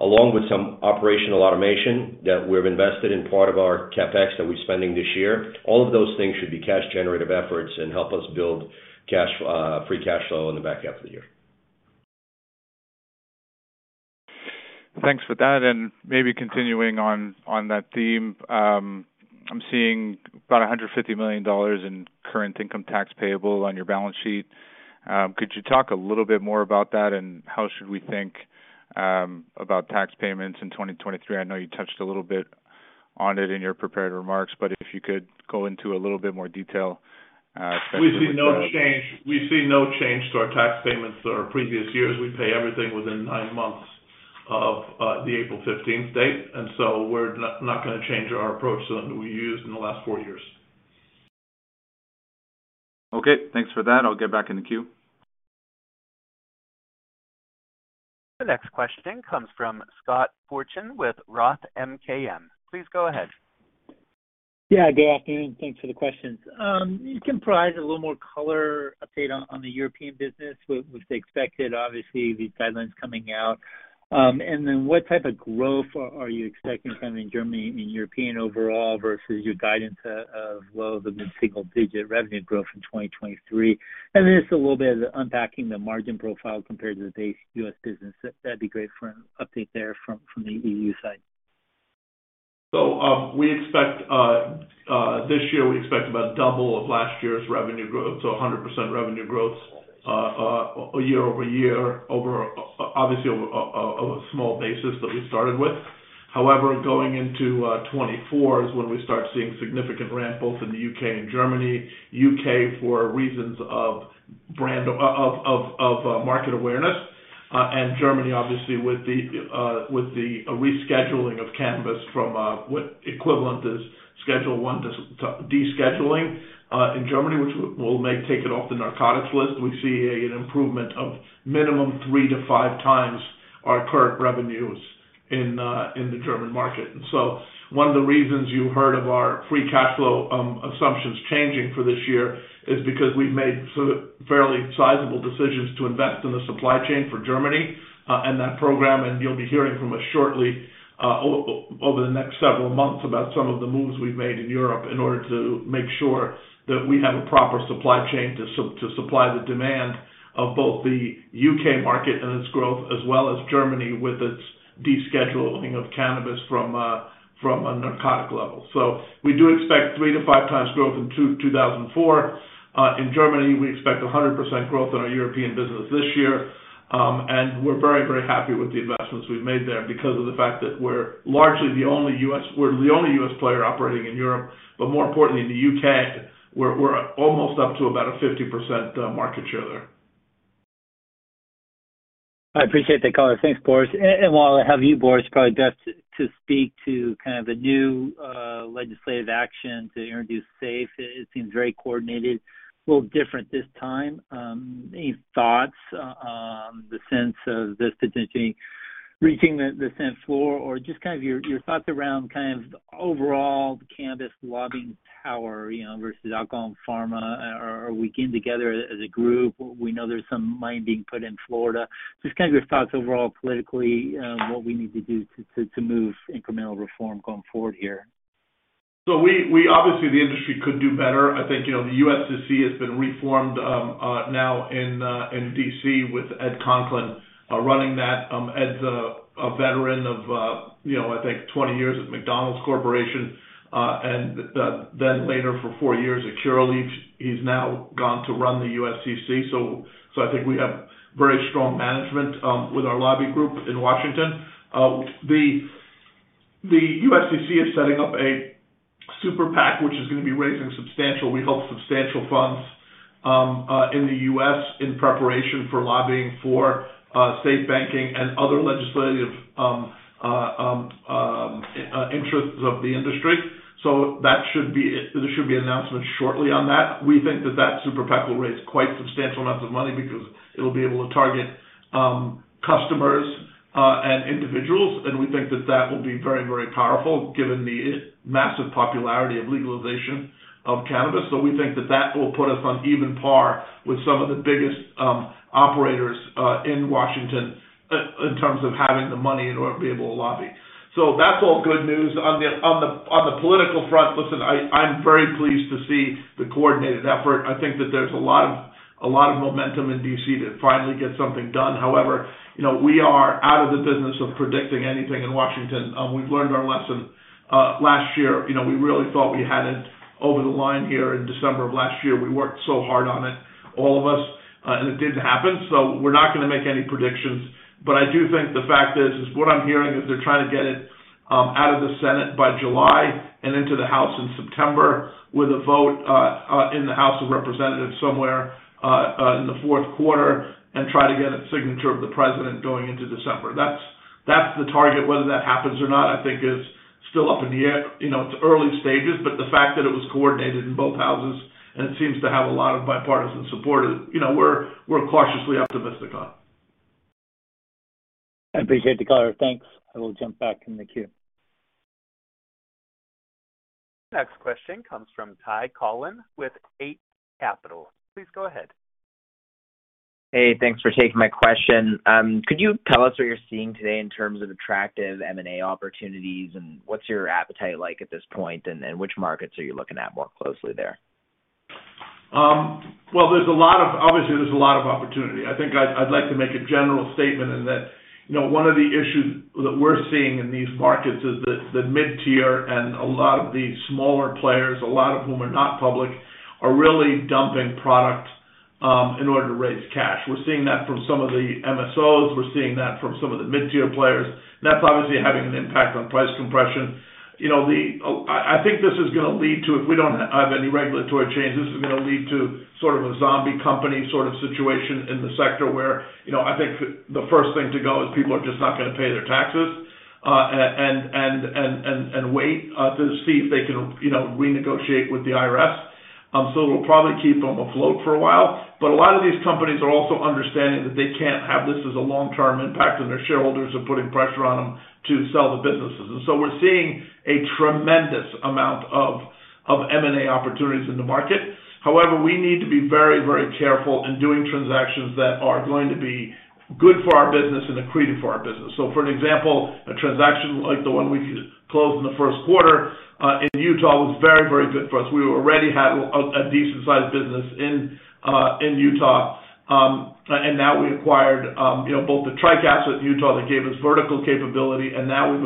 Along with some operational automation that we've invested in part of our CapEx that we're spending this year, all of those things should be cash generative efforts and help us build cash free cash flow in the back half of the year. Thanks for that, and maybe continuing on that theme. I'm seeing about $150 million in current income tax payable on your balance sheet. Could you talk a little bit more about that and how should we think about tax payments in 2023? I know you touched a little bit on it in your prepared remarks, but if you could go into a little bit more detail, especially for We see no change to our tax payments or previous years. We pay everything within 9 months of the April 15th date. We're not gonna change our approach to them we used in the last four years. Okay, thanks for that. I'll get back in the queue. The next question comes from Scott Fortune with Roth MKM. Please go ahead. Yeah, good afternoon. Thanks for the questions. Can you provide a little more color update on the European business with the expected, obviously, these guidelines coming out. What type of growth are you expecting from in Germany and European overall versus your guidance of low to mid-single digit revenue growth in 2023? Just a little bit of unpacking the margin profile compared to the base US Business. That'd be great for an update there from the EU side. We expect this year, we expect about double of last year's revenue growth, 100% revenue growth year-over-year, obviously over a small basis that we started with. However, going into 2024 is when we start seeing significant ramp both in the U.K. and Germany. U.K. for reasons of brand of market awareness, and Germany obviously with the rescheduling of cannabis from what equivalent is Schedule One descheduling in Germany, which will may take it off the narcotics list. We see an improvement of minimum 3 to 5x our current revenues in the German market. One of the reasons you heard of our free cash flow assumptions changing for this year is because we've made sort of fairly sizable decisions to invest in the supply chain for Germany and that program. You'll be hearing from us shortly over the next several months about some of the moves we've made in Europe in order to make sure that we have a proper supply chain to supply the demand of both the U.K. market and its growth, as well as Germany with its descheduling of cannabis from a narcotic level. We do expect 3x-5x growth in 2004. In Germany, we expect 100% growth in our European business this year. We're very happy with the investments we've made there because of the fact that we're largely the only U.S. player operating in Europe, but more importantly, in the U.K., we're almost up to about a 50% market share there. I appreciate the color. Thanks, Boris. While I have you, Boris, probably best to speak to kind of the new legislative action to introduce SAFE. It seems very coordinated, a little different this time. Any thoughts on the sense of this potentially reaching the Senate floor, or just kind of your thoughts around kind of overall cannabis lobbying power, you know, versus alcohol and pharma, are we getting together as a group? We know there's some money being put in Florida. Just kind of your thoughts overall, politically, on what we need to do to move incremental reform going forward here. We obviously, the industry could do better. I think, you know, the USCC has been reformed now in D.C. with Ed Conklin running that. Ed's a veteran of, you know, I think 20 years at McDonald's Corporation and then later for four years at Curaleaf. He's now gone to run the USCC. I think we have very strong management with our lobby group in Washington. The USCC is setting up a super PAC, which is gonna be raising substantial, we hope, substantial funds in the U.S. in preparation for lobbying for SAFE Banking and other legislative interests of the industry. There should be an announcement shortly on that. We think that that super PAC will raise quite substantial amounts of money because it'll be able to target customers and individuals, and we think that that will be very, very powerful given the massive popularity of legalization of cannabis. We think that that will put us on even par with some of the biggest operators in Washington in terms of having the money in order to be able to lobby. That's all good news. On the political front, listen, I'm very pleased to see the coordinated effort. I think that there's a lot of momentum in D.C. to finally get something done. However, you know, we are out of the business of predicting anything in Washington. We've learned our lesson last year. You know, we really thought we had it over the line here in December of last year. We worked so hard on it, all of us, and it didn't happen. We're not gonna make any predictions. I do think the fact is what I'm hearing is they're trying to get it out of the Senate by July and into the House in September with a vote in the House of Representatives somewhere in the fourth quarter and try to get a signature of the President going into December. That's the target. Whether that happens or not, I think is still up in the air. You know, it's early stages, but the fact that it was coordinated in both Houses and it seems to have a lot of bipartisan support, you know, we're cautiously optimistic on. I appreciate the color. Thanks. I will jump back in the queue. Next question comes from Ty Collin with Eight Capital. Please go ahead. Hey, thanks for taking my question. Could you tell us what you're seeing today in terms of attractive M&A opportunities, and what's your appetite like at this point, and which markets are you looking at more closely there? Well, obviously, there's a lot of opportunity. I think I'd like to make a general statement in that, you know, one of the issues that we're seeing in these markets is that the mid-tier and a lot of the smaller players, a lot of whom are not public, are really dumping product in order to raise cash. We're seeing that from some of the MSOs. We're seeing that from some of the mid-tier players. That's obviously having an impact on price compression. You know, I think this is gonna lead to, if we don't have any regulatory changes, this is gonna lead to sort of a zombie company sort of situation in the sector where, you know, I think the first thing to go is people are just not gonna pay their taxes, and wait to see if they can, you know, renegotiate with the IRS. It'll probably keep them afloat for a while. A lot of these companies are also understanding that they can't have this as a long-term impact, and their shareholders are putting pressure on them to sell the businesses. We're seeing a tremendous amount of M&A opportunities in the market. We need to be very, very careful in doing transactions that are going to be good for our business and accretive for our business. For an example, a transaction like the one we closed in the first quarter in Utah was very, very good for us. We already had a decent sized business in Utah. Now we acquired, you know, both the Tryke with Utah that gave us vertical capability, and now we've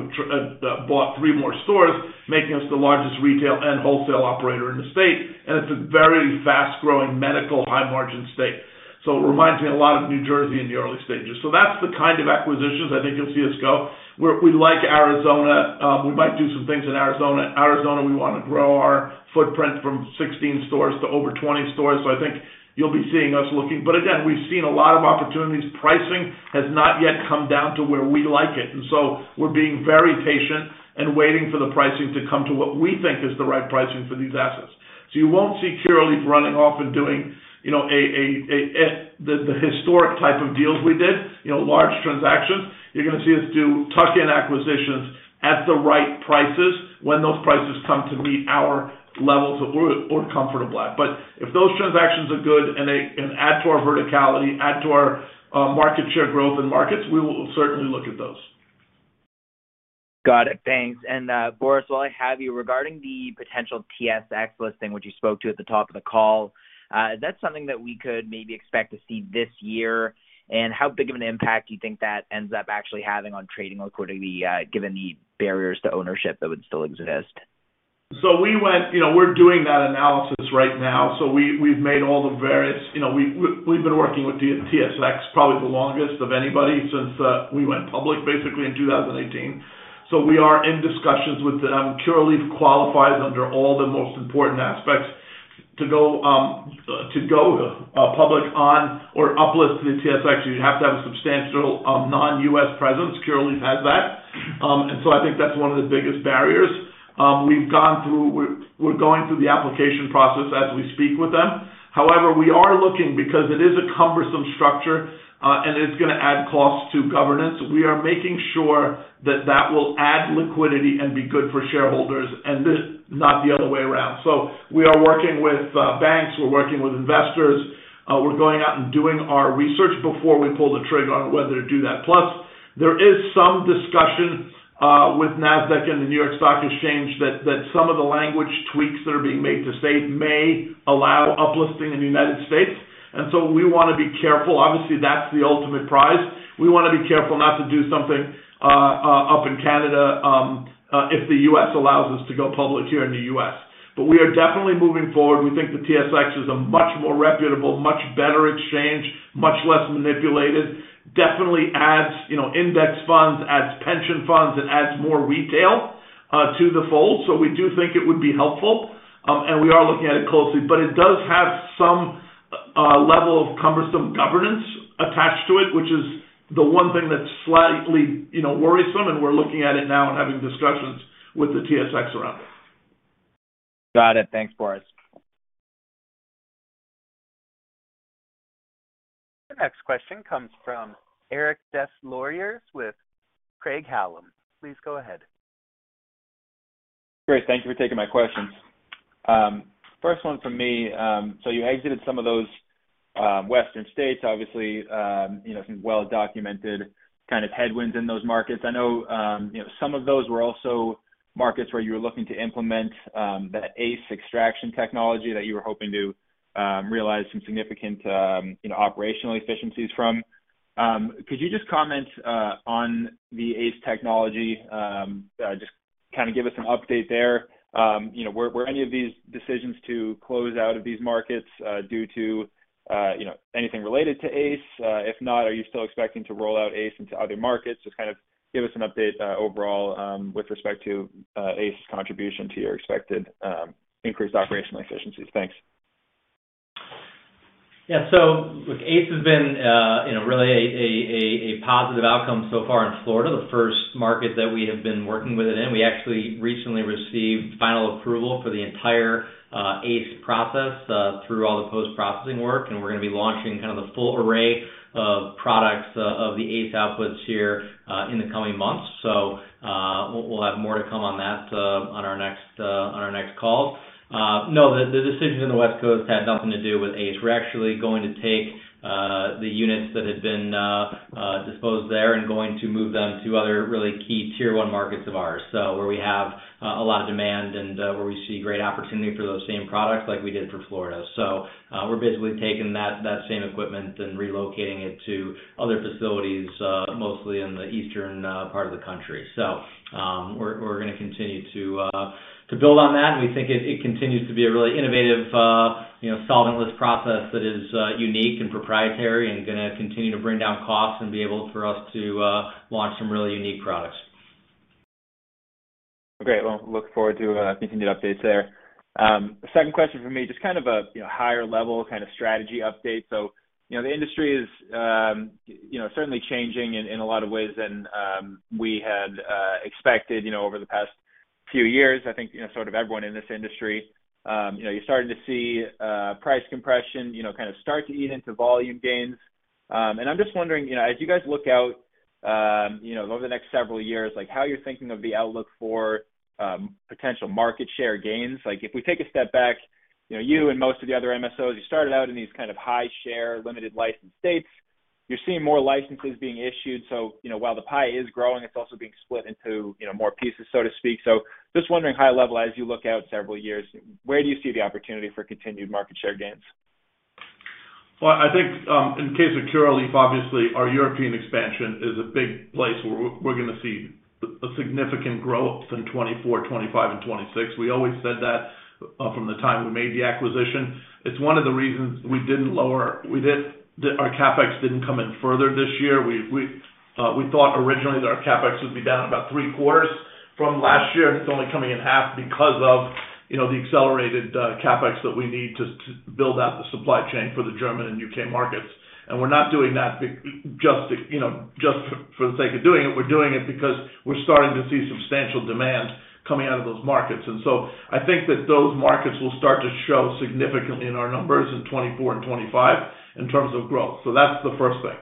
bought three more stores, making us the largest retail and wholesale operator in the state. It's a very fast-growing medical high margin state. It reminds me a lot of New Jersey in the early stages. That's the kind of acquisitions I think you'll see us go. We like Arizona. We might do some things in Arizona. Arizona, we want to grow our footprint from 16 stores to over 20 stores. I think you'll be seeing us looking. Again, we've seen a lot of opportunities. Pricing has not yet come down to where we like it, and so we're being very patient and waiting for the pricing to come to what we think is the right pricing for these assets. You won't see Curaleaf running off and doing, you know, the historic type of deals we did, you know, large transactions. You're gonna see us do tuck-in acquisitions at the right prices when those prices come to meet our levels we're comfortable at. If those transactions are good and add to our verticality, add to our market share growth in markets, we will certainly look at those. Got it. Thanks. Boris, while I have you, regarding the potential TSX listing, which you spoke to at the top of the call, is that something that we could maybe expect to see this year? How big of an impact do you think that ends up actually having on trading according the given the barriers to ownership that would still exist? We went, you know, we're doing that analysis right now. We've made all the various, you know, we've been working with the TSX probably the longest of anybody since we went public basically in 2018. We are in discussions with them. Curaleaf qualifies under all the most important aspects to go public on or uplist to the TSX. You have to have a substantial non-U.S. presence. Curaleaf has that. I think that's one of the biggest barriers. We're going through the application process as we speak with them. However, we are looking because it is a cumbersome structure, and it's gonna add costs to governance. We are making sure that that will add liquidity and be good for shareholders and not the other way around. We are working with banks. We're working with investors. We're going out and doing our research before we pull the trigger on whether to do that. There is some discussion with Nasdaq and the New York Stock Exchange that some of the language tweaks that are being made to state may allow uplisting in the United States. We wanna be careful. Obviously, that's the ultimate prize. We wanna be careful not to do something up in Canada if the U.S. allows us to go public here in the U.S. We are definitely moving forward. We think the TSX is a much more reputable, much better exchange, much less manipulated, definitely adds, you know, index funds, adds pension funds, and adds more retail to the fold. We do think it would be helpful, and we are looking at it closely. It does have some level of cumbersome governance attached to it, which is the one thing that's slightly, you know, worrisome, and we're looking at it now and having discussions with the TSX around it. Got it. Thanks, Boris. The next question comes from Eric Des Lauriers with Craig-Hallum. Please go ahead. Great. Thank you for taking my questions. First one from me. You exited some of those Western states, obviously, you know, some well-documented kind of headwinds in those markets. I know, you know, some of those were also markets where you were looking to implement that ACE extraction technology that you were hoping to realize some significant, you know, operational efficiencies from. Could you just comment on the ACE technology, just kinda give us some update there? You know, were any of these decisions to close out of these markets due to, you know, anything related to ACE? If not, are you still expecting to roll out ACE into other markets? Just kind of give us an update, overall, with respect to, ACE's contribution to your expected, increased operational efficiencies. Thanks. Yeah. Look, ACE has been, you know, really a positive outcome so far in Florida, the first market that we have been working with it in. We actually recently received final approval for the entire ACE process through all the post-processing work, and we're gonna be launching kind of the full array of products of the ACE outputs here in the coming months. We'll have more to come on that on our next on our next call. The decisions in the West Coast had nothing to do with ACE. We're actually going to take the units that had been disposed there and going to move them to other really key tier one markets of ours, so where we have a lot of demand and where we see great opportunity for those same products like we did for Florida. We're basically taking that same equipment and relocating it to other facilities, mostly in the eastern part of the country. We're gonna continue to build on that. We think it continues to be a really innovative, you know, solventless process that is unique and proprietary and gonna continue to bring down costs and be able for us to launch some really unique products. Great. Well, look forward to continued updates there. Second question for me, just kind of a, you know, higher level kind of strategy update. You know, the industry is, you know, certainly changing in a lot of ways than we had expected, you know, over the past few years, I think, you know, sort of everyone in this industry. You know, you're starting to see price compression, you know, kind of start to eat into volume gains. I'm just wondering, you know, as you guys look out, you know, over the next several years, like, how you're thinking of the outlook for potential market share gains. Like, if we take a step back, you know, you and most of the other MSOs, you started out in these kind of high-share, limited license states. You're seeing more licenses being issued, so, you know, while the pie is growing, it's also being split into, you know, more pieces, so to speak. Just wondering high level, as you look out several years, where do you see the opportunity for continued market share gains? Well, I think, in case of Curaleaf, obviously, our European expansion is a big place where we're gonna see a significant growth in 2024, 2025 and 2026. We always said that, from the time we made the acquisition. It's one of the reasons our CapEx didn't come in further this year. We thought originally that our CapEx would be down about three-quarters from last year, and it's only coming in half because of, you know, the accelerated CapEx that we need to build out the supply chain for the German and UK Markets. We're not doing that just, you know, just for the sake of doing it. We're doing it because we're starting to see substantial demand coming out of those markets. I think that those markets will start to show significantly in our numbers in 2024 and 2025 in terms of growth. That's the first thing.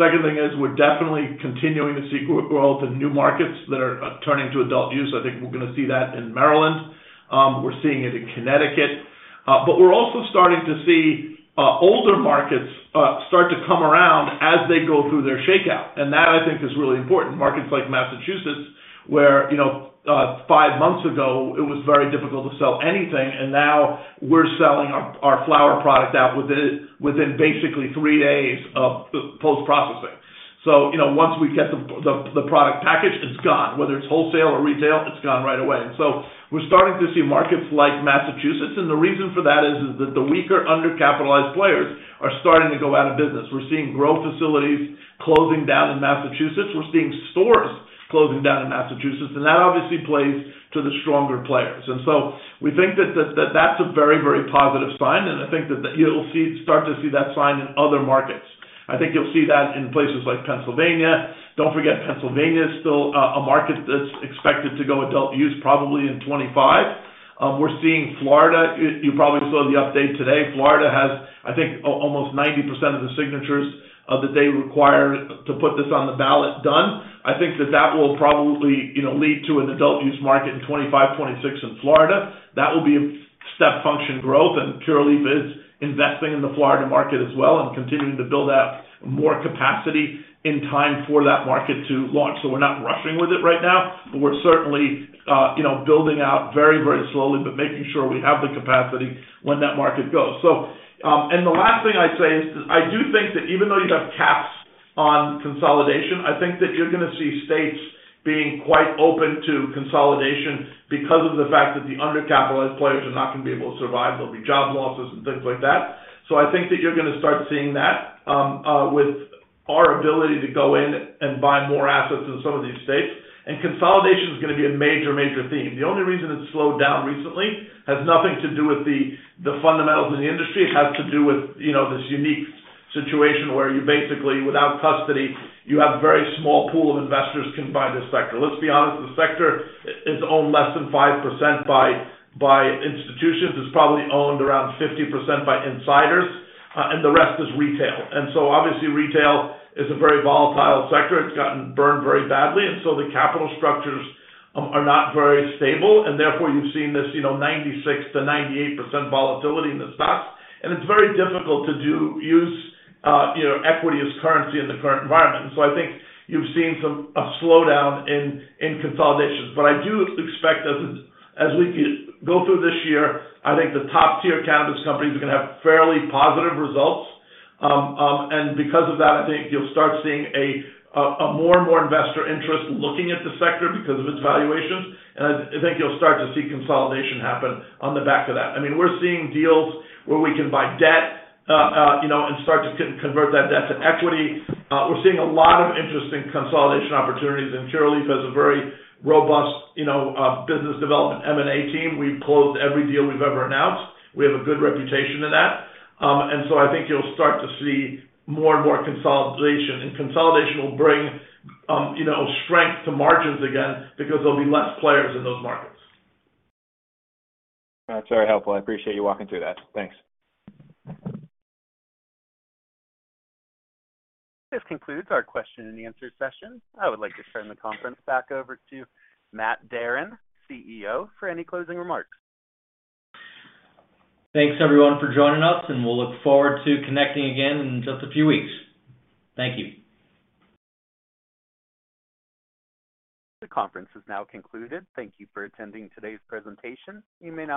Second thing is we're definitely continuing to see growth in new markets that are turning to adult use. I think we're gonna see that in Maryland. We're seeing it in Connecticut. But we're also starting to see older markets start to come around as they go through their shakeout. That, I think, is really important. Markets like Massachusetts, where, you know, 5 months ago it was very difficult to sell anything, and now we're selling our flower product out within basically 3 days of post-processing. You know, once we get the product packaged, it's gone. Whether it's wholesale or retail, it's gone right away. We're starting to see markets like Massachusetts, and the reason for that is that the weaker, undercapitalized players are starting to go out of business. We're seeing growth facilities closing down in Massachusetts. We're seeing stores closing down in Massachusetts, and that obviously plays to the stronger players. We think that that's a very, very positive sign, and I think that you'll start to see that sign in other markets. I think you'll see that in places like Pennsylvania. Don't forget Pennsylvania is still a market that's expected to go adult use probably in 2025. We're seeing Florida. You probably saw the update today. Florida has, I think, almost 90% of the signatures that they require to put this on the ballot done. I think that that will probably, you know, lead to an adult use market in 25, 26 in Florida. That will be a step function growth, and Curaleaf is investing in the Florida market as well and continuing to build out more capacity in time for that market to launch. We're not rushing with it right now, but we're certainly, you know, building out very, very slowly, but making sure we have the capacity when that market goes. The last thing I'd say is I do think that even though you have caps on consolidation, I think that you're gonna see states being quite open to consolidation because of the fact that the undercapitalized players are not gonna be able to survive. There'll be job losses and things like that. I think that you're gonna start seeing that with our ability to go in and buy more assets in some of these states. Consolidation is gonna be a major theme. The only reason it's slowed down recently has nothing to do with the fundamentals in the industry. It has to do with, you know, this unique situation where you basically, without custody, you have a very small pool of investors can buy this sector. Let's be honest, the sector is owned less than 5% by institutions. It's probably owned around 50% by insiders, and the rest is retail. Obviously, retail is a very volatile sector. It's gotten burned very badly. The capital structures are not very stable, and therefore, you've seen this, you know, 96%-98% volatility in the stocks. It's very difficult to use, you know, equity as currency in the current environment. I think you've seen a slowdown in consolidations. I do expect as we go through this year, I think the top-tier cannabis companies are gonna have fairly positive results. Because of that, I think you'll start seeing a more and more investor interest looking at the sector because of its valuations. I think you'll start to see consolidation happen on the back of that. I mean, we're seeing deals where we can buy debt, you know, and start to convert that debt to equity. We're seeing a lot of interesting consolidation opportunities, and Curaleaf has a very robust, you know, business development M&A team. We've closed every deal we've ever announced. We have a good reputation in that. I think you'll start to see more and more consolidation. Consolidation will bring, you know, strength to margins again because there'll be less players in those markets. That's very helpful. I appreciate you walking through that. Thanks. This concludes our question and answer session. I would like to turn the conference back over to Matt Darin, CEO, for any closing remarks. Thanks, everyone, for joining us, and we'll look forward to connecting again in just a few weeks. Thank you. The conference has now concluded. Thank you for attending today's presentation. You may now disconnect.